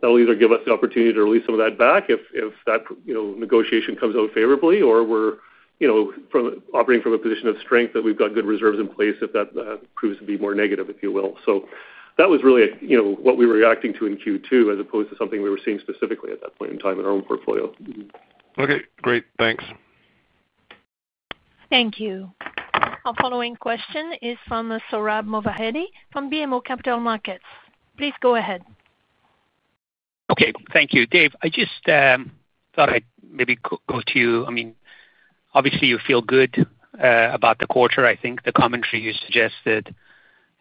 that will either give us the opportunity to release some of that back if that negotiation comes out favorably, or we're operating from a position of strength that we've got good reserves in place if that proves to be more negative, if you will. That was really what we were reacting to in Q2, as opposed to something we were seeing specifically at that point in time in our own portfolio. Okay, great. Thanks. Thank you. Our following question is from Sohrab Movahedi from BMO Capital Markets. Please go ahead. Okay, thank you, Dave. I just thought I'd maybe go to you. I mean, obviously you feel good about the quarter. I think the commentary you suggested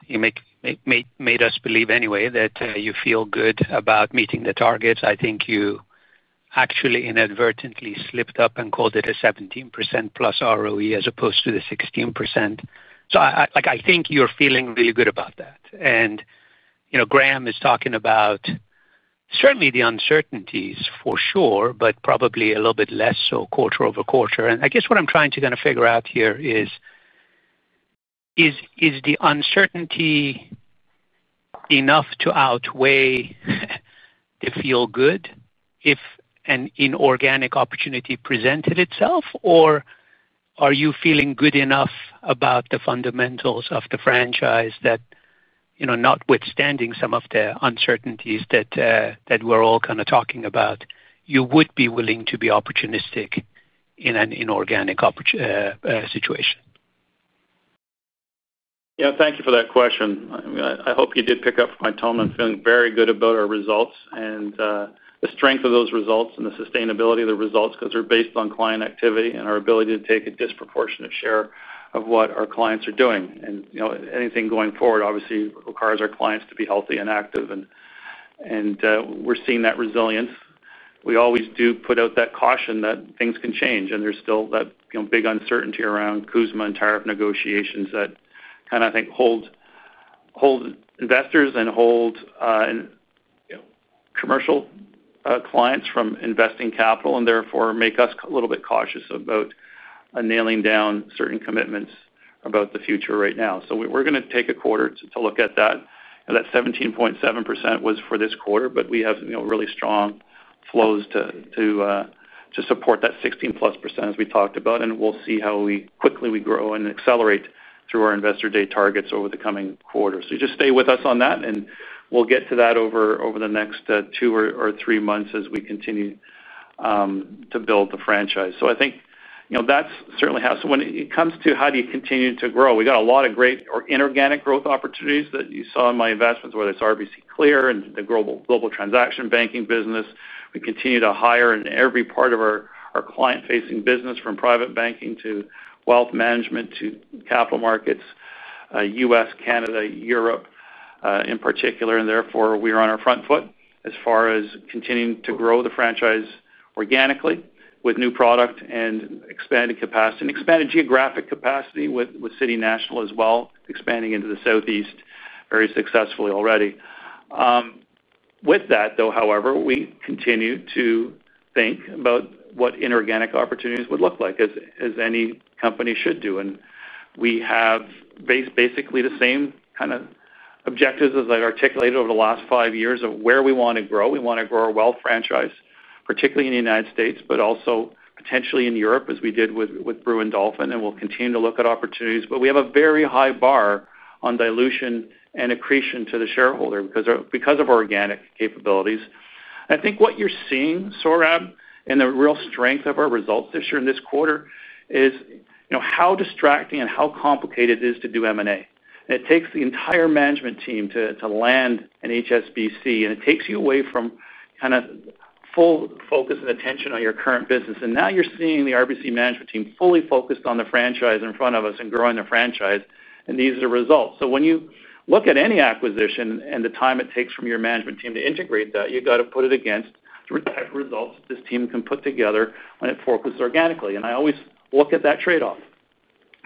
you make made us believe anyway that you feel good about meeting the targets. I think you actually inadvertently slipped up and called it a 17%+ ROE as opposed to the 16%. I think you're feeling really good about that. Graeme is talking about certainly the uncertainties for sure, but probably a little bit less so quarter over quarter. I guess what I'm trying to figure out here is the uncertainty enough to outweigh the feel good if an inorganic opportunity presented itself, or are you feeling good enough about the fundamentals of the franchise that notwithstanding some of the uncertainties that we're all kind of talking about, you would be willing to be opportunistic in an inorganic situation? Thank you for that question. I hope you did pick up from my tone. I'm feeling very good about our results and the strength of those results and the sustainability of the results because they're based on client activity and our ability to take a disproportionate share of what our clients are doing. Anything going forward obviously requires our clients to be healthy and active and we're seeing that resilience. We always do put out that caution that things can change and there's still that big uncertainty around trade tensions and tariff negotiations that kind of, I think, hold investors and hold commercial clients from investing capital and therefore make us a little bit cautious about nailing down certain commitments about the future right now. We're going to take a quarter to look at that. That 17.7% was for this quarter, but we have really strong flows to support that 16%+ as we talked about and we'll see how quickly we grow and accelerate through our investor day targets over the coming quarters. Just stay with us on that and we'll get to that over the next two or three months as we continue to build the franchise. I think that's certainly how, when it comes to how do you continue to grow? We got a lot of great organic or inorganic growth opportunities that you saw in my investments. Whether it's RBC Clear and the global transaction banking business, we continue to hire in every part of our client-facing business from private banking to wealth management to capital markets, U.S., Canada, Europe in particular. Therefore, we are on our front foot as far as continuing to grow the franchise organically with new product and expanded capacity and expanded geographic capacity with City National Bank as well, expanding into the Southeast very successfully already. With that though, however, we continue to think about what inorganic opportunities would look like, as any company should do. We have basically the same kind of objectives as I've articulated over the last five years of where we want to grow. We want to grow our wealth franchise, particularly in the United States, but also potentially in Europe, as we did with Brewin Dolphin. We'll continue to look at opportunities, but we have a very high bar on dilution and accretion to the shareholder because of organic capabilities. I think what you're seeing, Sohrab, and the real strength of our results this year in this quarter is you know, how distracting and how complicated it is to do M&A. It takes the entire management team to land an HSBC and it takes you away from kind of full focus and attention on your current business. Now you're seeing the RBC management team fully focused on the franchise in front of us and growing the franchise, and these are the results. When you look at any acquisition and the time it takes from your management team to integrate that, you've got to put it against results this team can put together when it forklifts organically. I always look at that trade-off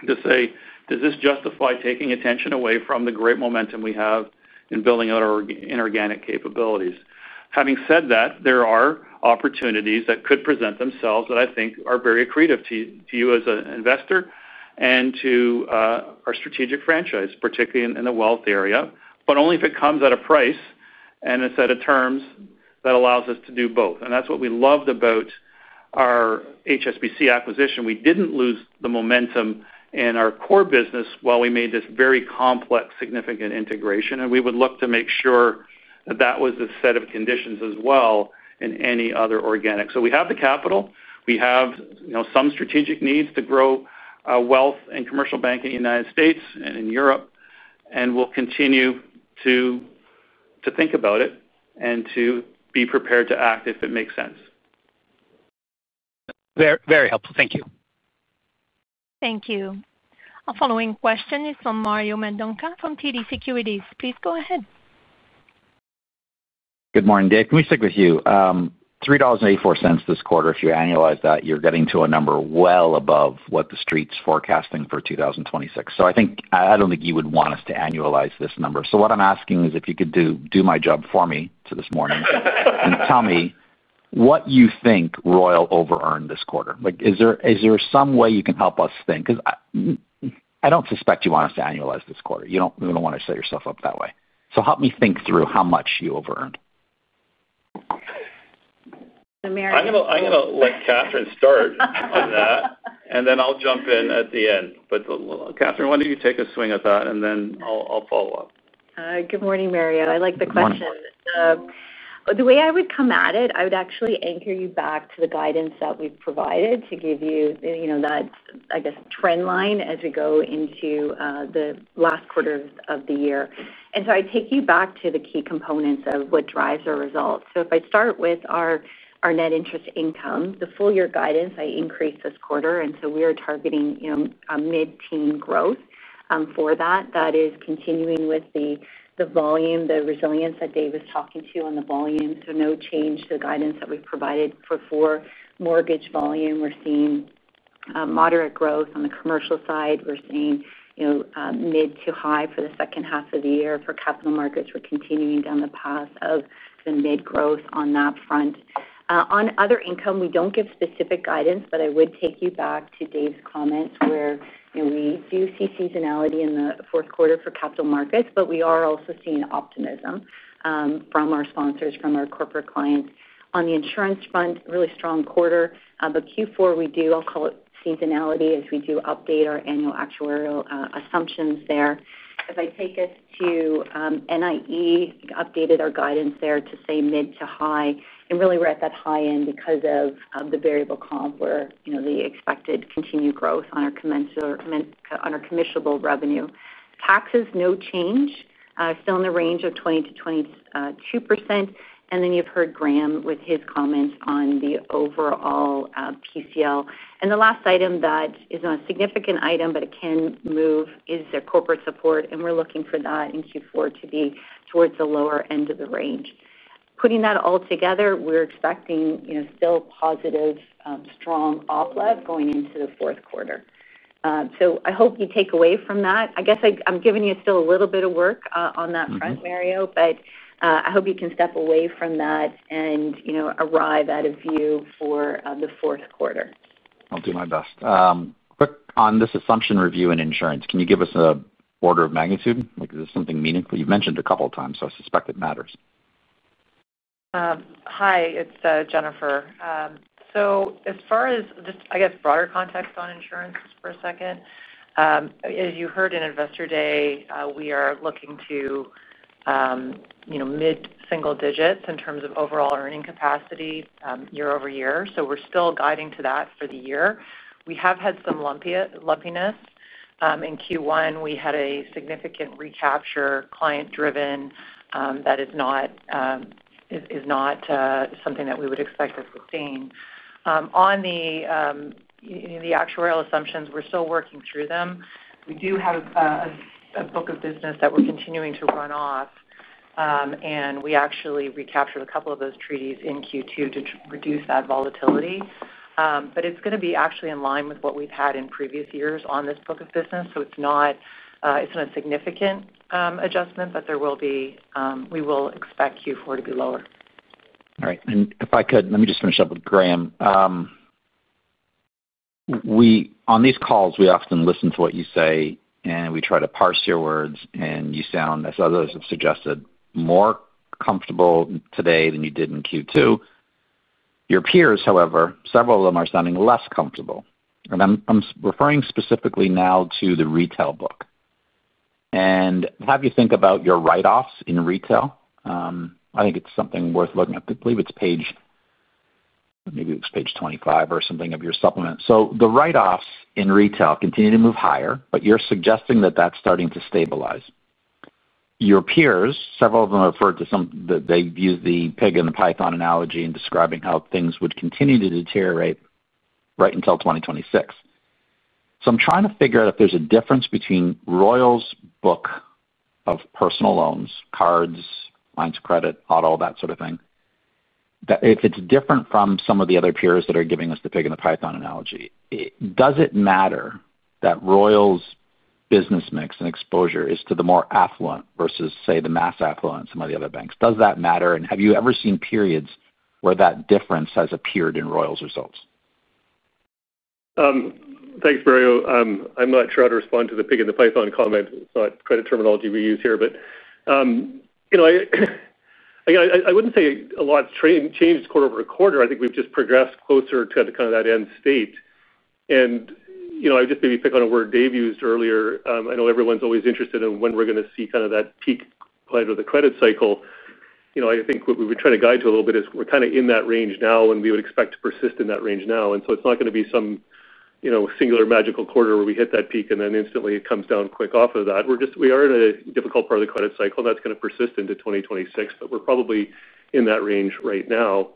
to say does this justify taking attention away from the great momentum we have in building out our inorganic capabilities? Having said that, there are opportunities that could present themselves that I think are very accretive to you as an investor and to our strategic franchise, particularly in the wealth area, but only if it comes at a price and a set of terms that allows us to do both. That's what we loved about our HSBC acquisition. We didn't lose the momentum in our core business while we made this very complex significant integration. We would look to make sure that that was a set of conditions as well in any other organic. We have the capital, we have some strategic needs to grow wealth and commercial bank in the United States and in Europe. We'll continue to think about it and to be prepared to act if it makes sense. Very helpful. Thank you. Thank you. Our following question is from Mario Mendonca from TD Securities. Please go ahead. Good morning, Dave. Let me stick with you. $3.84 this quarter. If you annualize that, you're getting to a number well above what the street's forecasting for 2026. I don't think you would want us to annualize this number. What I'm asking is if you could do my job for me this morning and tell me what you think Royal over earned this quarter. Is there some way you can help us think? I don't suspect you want us to annualize this quarter. You don't want to set yourself up that way. Help me think through how much you over earn. I'm going to let Katherine start on that and then I'll jump in at the end. Katherine, why don't you take a swing at that and then I'll follow up. Good morning, Mario. I like the question. The way I would come at it, I would actually anchor you back to the guidance that we've provided to give you that, I guess, trend line as we go into the last quarter of the year. I take you back to the key components of what drives our results. If I start with our net interest income, the full year guidance I increased this quarter, and we are targeting a mid-teen growth for that. That is continuing with the volume, the resilience that Dave was talking to on the volume. No change to the guidance that we provided for mortgage volume. We're seeing moderate growth. On the commercial side, we're seeing mid to high for the second half of the year for Capital Markets, we're continuing down the path of the mid growth on that front. On other income, we don't give specific guidance, but I would take you back to Dave's comments where we do see seasonality in the fourth quarter for markets, but we are also seeing optimism from our sponsors, from our corporate clients. On the Insurance front, really strong quarter, but Q4 we do, I'll call it, seasonality as we do update our annual actuarial assumptions there. If I take us to NIE, updated our guidance there to say mid to high, and really we're at that high end because of the variable comp where the expected continued growth on our commensurate on our commissionable revenue. Taxes, no change, still in the range of 20%-22%. You've heard Graeme with his comments on the overall PCL, and the last item that is not a significant item but it can move is their corporate support, and we're looking for that in Q4 to be towards the lower end of the range. Putting that all together, we're expecting still positive, strong OPLEV going into the fourth quarter. I hope you take away from that. I guess I'm giving you still a little bit of work on that front, Mario, but I hope you can step away from that and, you know, arrive at a view for the fourth quarter. I'll do my best on this assumption review and Insurance. Can you give us an order of magnitude, like is this something meaningful? You've mentioned it a couple of times, so I suspect it matters. Hi, it's Jennifer. As far as just, I guess. Broader context on Insurance for a second, as you heard in Investor Day, we are looking to, you know, mid single digits in terms of overall earning capacity year-over-year. We're still guiding to that for the year. We have had some lumpiness in Q1. We had a significant recapture, client driven. That is not something that we would expect to sustain on the actuarial assumptions. We're still working through them. We do have a book of business. We're continuing to run off and we actually recaptured a couple of those treaties in Q2 to reduce that volatility. It's going to be in line with what we've had in previous years on this book of business. It's not a significant adjustment, but we will expect Q4 to be lower. All right. If I could, let me just finish up with Graeme. On these calls, we often listen to what you say and we try to parse your words, and you sound, as others have suggested, more comfortable today than you did in Q2. Your peers, however, several of them are sounding less comfortable. I'm referring specifically now to the retail book. When you think about your write-offs in retail, I think it's something worth looking at. I believe it's page, maybe it's page 25 or something of your supplement. The write-offs in retail continue to move higher, but you're suggesting that that's starting to stabilize. Your peers, several of them, referred to some, they use the pig in the python analogy in describing how things would continue to deteriorate right until 2026. I'm trying to figure out if there's a difference between Royal's book of personal loans, cards, lines of credit, auto, that sort of thing, if it's different from some of the other peers that are giving us the pig in the python analogy. Does it matter that Royal's business mix and exposure is to the more affluent versus, say, the mass affluent, some of the other banks? Does that matter? Have you ever seen periods where that difference has appeared in Royal's results? Thanks, Mario. I'm not sure how to respond to the pig in the Python comment credit terminology we use here. I wouldn't say a lot changed quarter over quarter. I think we've just progressed closer to kind of that end state and maybe pick on a word Dave used earlier. I know everyone's always interested in when we're going to see kind of that peak point of the credit cycle. I think what we were trying to guide to a little bit is we're kind of in that range now and we would expect to persist in that range now. It's not going to be some singular magical quarter where we hit that peak and then instantly it comes down quick off of that. We are in a difficult part of the credit cycle and that's going to persist into 2026. We're probably in that range right now.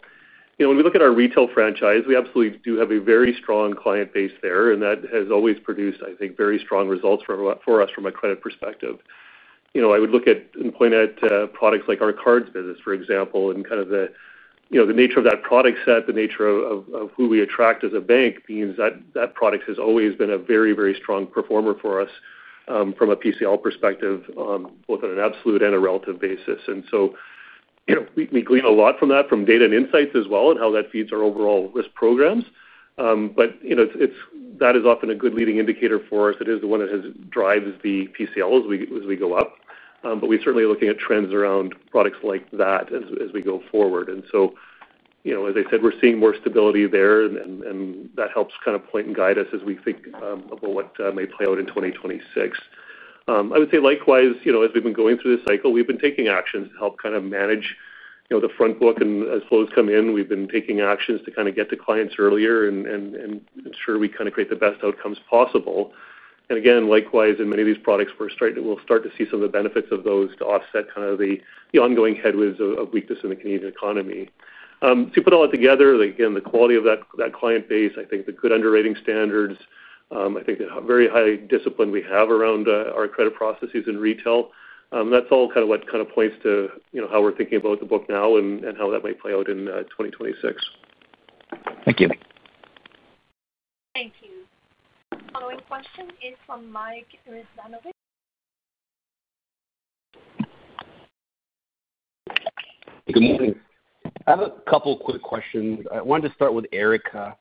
When we look at our retail franchise, we absolutely do have a very strong client base there. That has always produced, I think, very strong results for us from a credit perspective. I would look at and point out products like our cards business, for example, and the nature of that product set, the nature of who we attract as a bank means that product has always been a very, very strong performer for us from a PCL perspective, both on an absolute and a relative basis. We glean a lot from that, from data and insights as well, and how that feeds our overall risk programs. That is often a good leading indicator for us. It is the one that drives the PCL as we go up. We certainly are looking at trends around products like that as we go forward. As I said, we're seeing more stability there, and that helps point and guide us as we think about what may play out in 2026. I would say likewise, as we've been going through this cycle, we've been taking action to help manage the front book. As flows come in, we've been taking actions to get to clients earlier and ensure we create the best outcomes possible. Again, likewise, in many of these products, we're straight and we'll start to see some of the benefits of those to offset the ongoing headwinds of weakness in the Canadian economy. You put all that together, the quality of that client base, the good underwriting standards, the very high discipline we have around our credit processes in retail, that's all what points to how we're thinking about the book now and how that might play out in 2026. Thank you. Thank you. The following question is from Mike Rizvanovic. Good morning. I have a couple quick questions. I wanted to start with Erica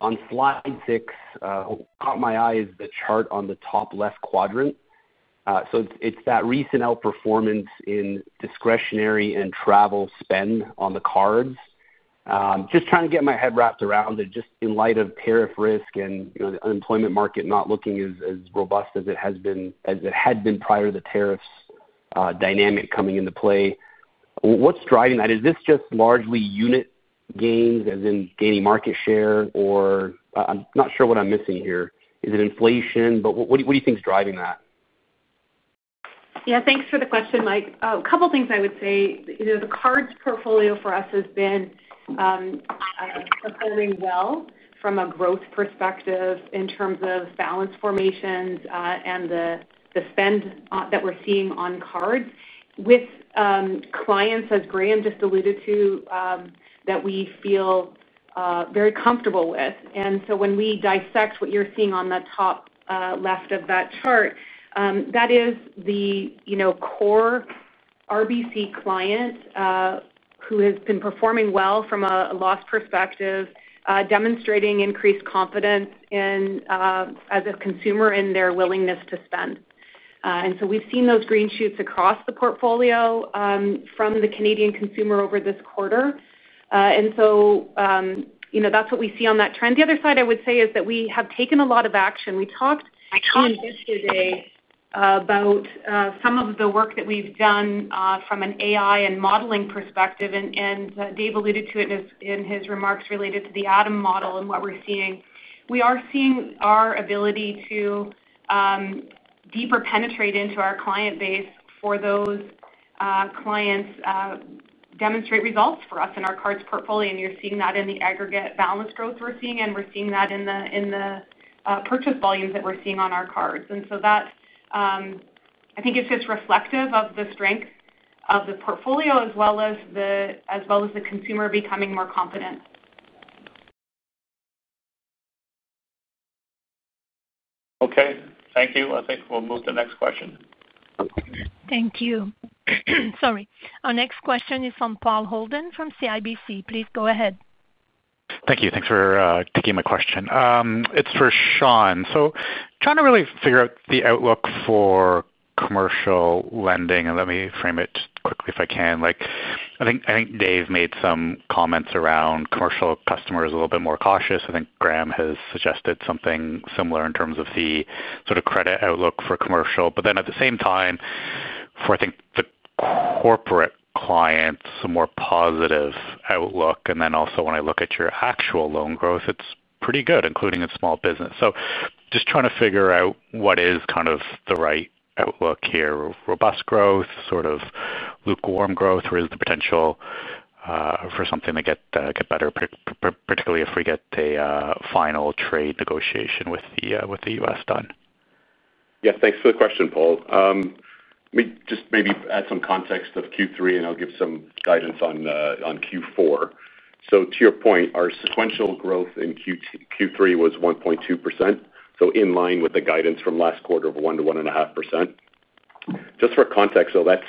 on slide 6. What caught my eye is the chart on the top left quadrant. It is that recent outperformance in discretionary and travel spend on the cards. Just trying to get my head wrapped around it, just in light of tariff risk and the unemployment market not looking. As robust as it has been. It had been prior to the tariffs dynamic coming into play. What's driving that? Is this just largely unit gains, as in gaining market share? I'm not sure what I'm missing here. Is it inflation? What do you think is driving that? Yeah, thanks for the question, Mike. A couple things I would say, you know, the cards portfolio for us has been doing well from a growth perspective in terms of balance formations and the spend that we're seeing on cards with clients, as Graeme just alluded to, that we feel very comfortable with. When we dissect what you're seeing on the top left of that chart, that is the core RBC client who has been performing well from a loss perspective, demonstrating increased confidence as a consumer in their willingness to spend. We've seen those green shoots across the portfolio from the Canadian consumer over this quarter. That's what we see on that trend. The other side I would say is that we have taken a lot of action. We talked about some of the work that we've done from an AI and modeling perspective and Dave alluded to it in his remarks related to the ADAM model. What we're seeing, we are seeing our ability to deeper penetrate into our client base for those clients, demonstrate results for us in our cards portfolio. You're seeing that in the aggregate balance growth we're seeing and we're seeing that in the purchase volumes that we're seeing on our cards. I think it's just reflective of the strength of the portfolio as well as the consumer becoming more confident. Okay, thank you. I think we'll move to the next question. Thank you. Sorry, our next question is from Paul Holden from CIBC. Please go ahead. Thank you. Thanks for taking my question. It's for Sean. Trying to really figure out the. Outlook for commercial lending, and let me frame it quickly if I can. I think Dave made some comments around commercial customers a little bit more cautious. I think Graeme has suggested something similar. In terms of the sort of credit outlook for Commercial Banking, at the same time for, I think, the corporate clients, a more positive outlook. When I look at your actual loan growth, it's pretty good. Including in small business. Just trying to figure out what is kind of the right outlook here. Robust growth, sort of lukewarm growth. Where is the potential for something to get better, particularly if we get a final trade negotiation with the U.S. done? Yeah, thanks for the question, Paul. Maybe add some context of Q3 and I'll give some guidance on Q4. To your point, our sequential growth in Q3 was 1.2%, so in line with the guidance from last quarter of 1%-1.5%. Just for context. That's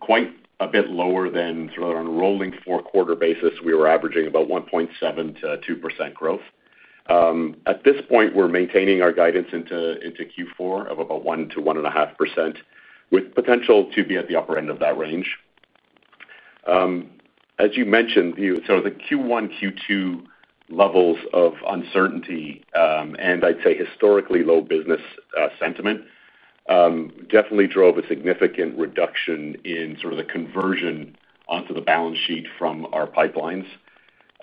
quite a bit lower than. Sort of on a rolling four-quarter. Basis we were averaging about 1.7% to 2% growth. At this point we're maintaining our guidance into Q4 of about 1%-1.5% with potential to be at the upper end of that range. As you mentioned, the Q1, Q2 levels of uncertainty and I'd say historically low business sentiment definitely drove a significant reduction in the conversion onto the balance sheet from our pipelines.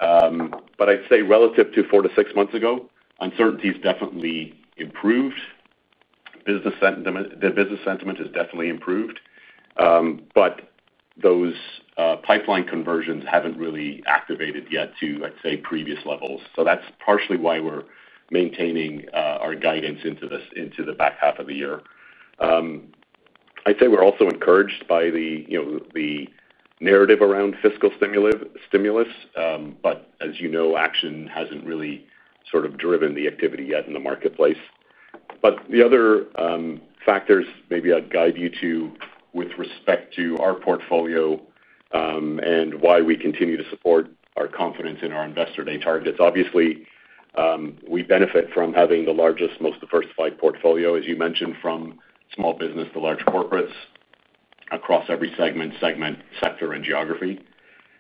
I'd say relative to four to six months ago, uncertainty has definitely improved. The business sentiment has definitely improved. Those pipeline conversions haven't really activated yet to previous levels. That's partially why we're maintaining our guidance into the back half of the year. We're also encouraged by the narrative around fiscal stimulus, but as you know, action hasn't really driven the activity yet in the marketplace. The other factors maybe I'd guide you to with respect to our portfolio and why we continue to support our confidence in our investor day targets. Obviously we benefit from having the largest, most diversified portfolio as you mentioned, from small business to large corporates across every segment, sector and geography.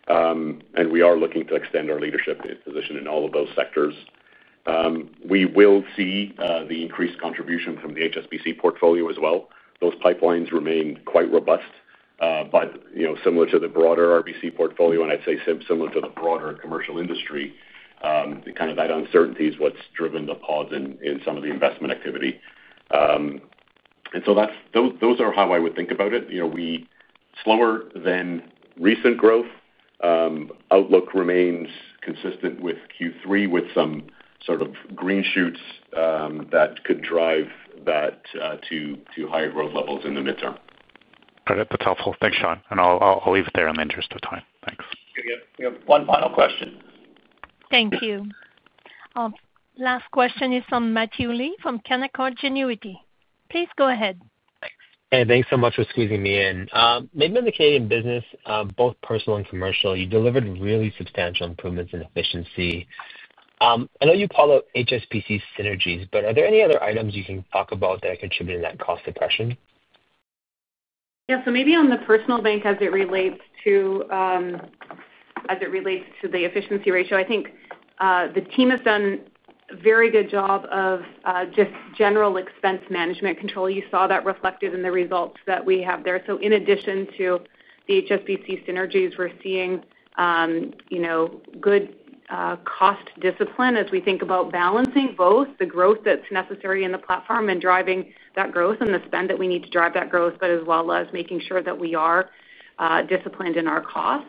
We are looking to extend our leadership position in all of those sectors. We will see the increased contribution from the HSBC Bank Canada portfolio as well. Those pipelines remain quite robust, but similar to the broader Royal Bank of Canada portfolio and similar to the broader commercial industry, that uncertainty is what's driven the pause in some of the investment activity. That's it. Those are how I would think about it. You know, we, slower than recent, growth outlook remains consistent with Q3 with some sort of green shoots that could drive that to higher growth levels in the midterm. That's helpful. Thanks Sean. I'll leave it there in the interest of time. Thanks. We have one final question. Thank you. Last question is from Matthew Lee from Canaccord Genuity. Please go ahead. Hey, thanks so much for squeezing me in. Midmen, the Canadian business, both Personal and Commercial, you delivered really substantial improvements, improvements in efficiency.I know you follow HSBC synergies, but are there any other items you can talk about that contribute to that cost depression? Yeah. Maybe on the personal bank as it relates to the efficiency ratio, I think the team has done a very good job of just general expense management control. You saw that reflected in the results that we have there. In addition to the HSBC synergies, we're seeing good cost discipline as we think about balancing both the growth that's necessary in the platform and driving that growth and the spend that we need. To drive that growth. We are making sure that we are disciplined in our costs.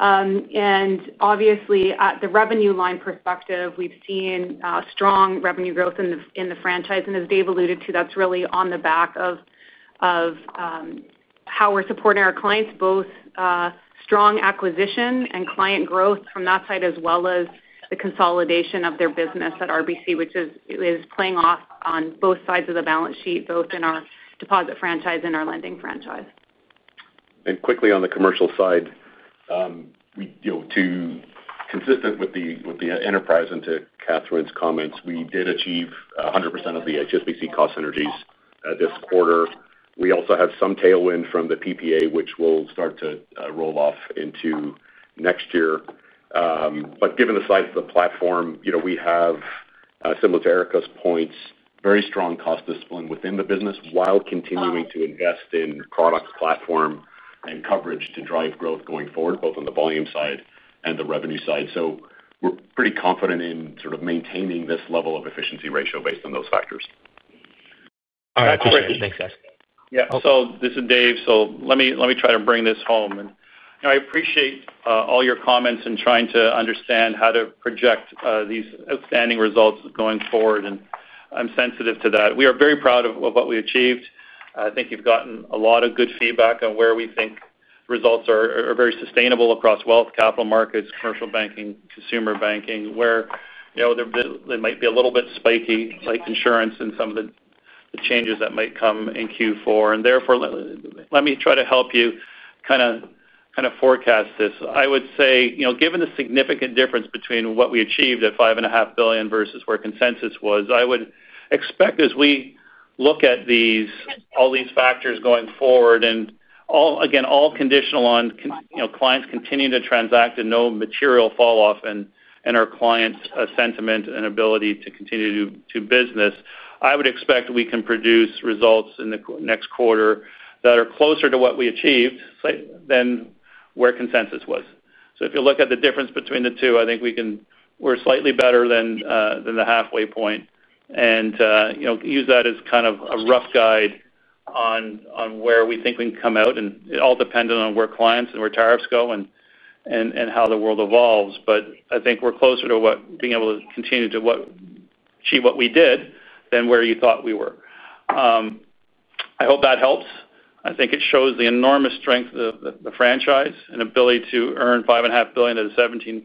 Obviously, at the revenue line perspective, we've seen strong revenue growth in the franchise, and as Dave alluded to, that's really on the back of how we're supporting our clients. Both strong acquisition and client growth from that side, as well as the consolidation of their business at RBC, which is playing off on both sides of the balance sheet, both in our deposit franchise and our lending franchise. Quickly on the commercial side. Consistent. With the enterprise and to Katherine's comments, we did achieve 100% of the HSBC cost synergies this quarter. We also have some tailwind from the PPA, which will start to roll off into next year. Given the size of the platform we have, similar to Erica's points, there is very strong cost discipline within the business while continuing to invest in products, platform, and coverage to drive growth going forward both on the volume side and the revenue side. We are pretty confident in maintaining this level of efficiency ratio based on those factors. All right, thanks guys. Yeah, this is Dave. Let me try to bring this home and I appreciate all your comments and trying to understand how to project these outstanding results going forward and I'm sensitive to that. We are very proud of what we achieved. I think you've gotten a lot of good feedback on where we think results are very sustainable across Wealth Management, Capital Markets, Commercial Banking, Personal Banking, where they might be a little bit spiky like Insurance and some of the changes that might come in Q4. Therefore, let me try to help you kind of forecast this. I would say given the significant difference between what we achieved at $5.5 billion versus where consensus was, I would expect as we look at all these factors going forward, and again all conditional on clients continuing to transact and no material fall off in our clients' sentiment and ability to continue to do business, I would expect we can produce results in the next quarter that are closer to what we achieved than where consensus was. If you look at the difference between the two, I think we're slightly better than the halfway point and use that as kind of a rough guide on where we think we can come out. It all depends on where clients and where tariffs go and how the world evolves. I think we're closer to being able to continue to achieve what we did than where you thought we were. I hope that helps. I think it shows the enormous strength of the franchise and ability to earn $5.5 billion at a 17.7%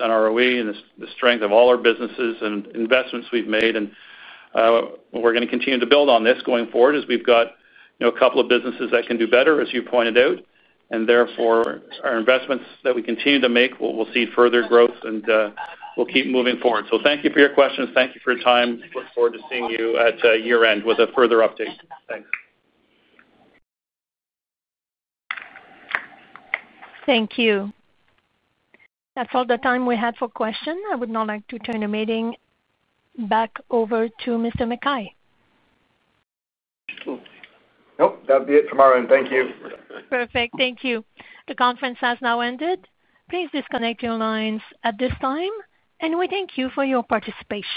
ROE and the strength of all our businesses and investments we've made. We're going to continue to build on this going forward as we've got a couple of businesses that can do better, as you pointed out, and therefore our investments that we continue to make will see further growth and we'll keep moving forward. Thank you for your questions, thank you for your time. Look forward to seeing you at year end with a further update. Thank you. That's all the time we have for questions. I would now like to turn the meeting back over to Mr. McKay. That'd be it from our end. Thank you. Perfect. Thank you. The conference has now ended. Please disconnect your lines at this time. We thank you for your participation.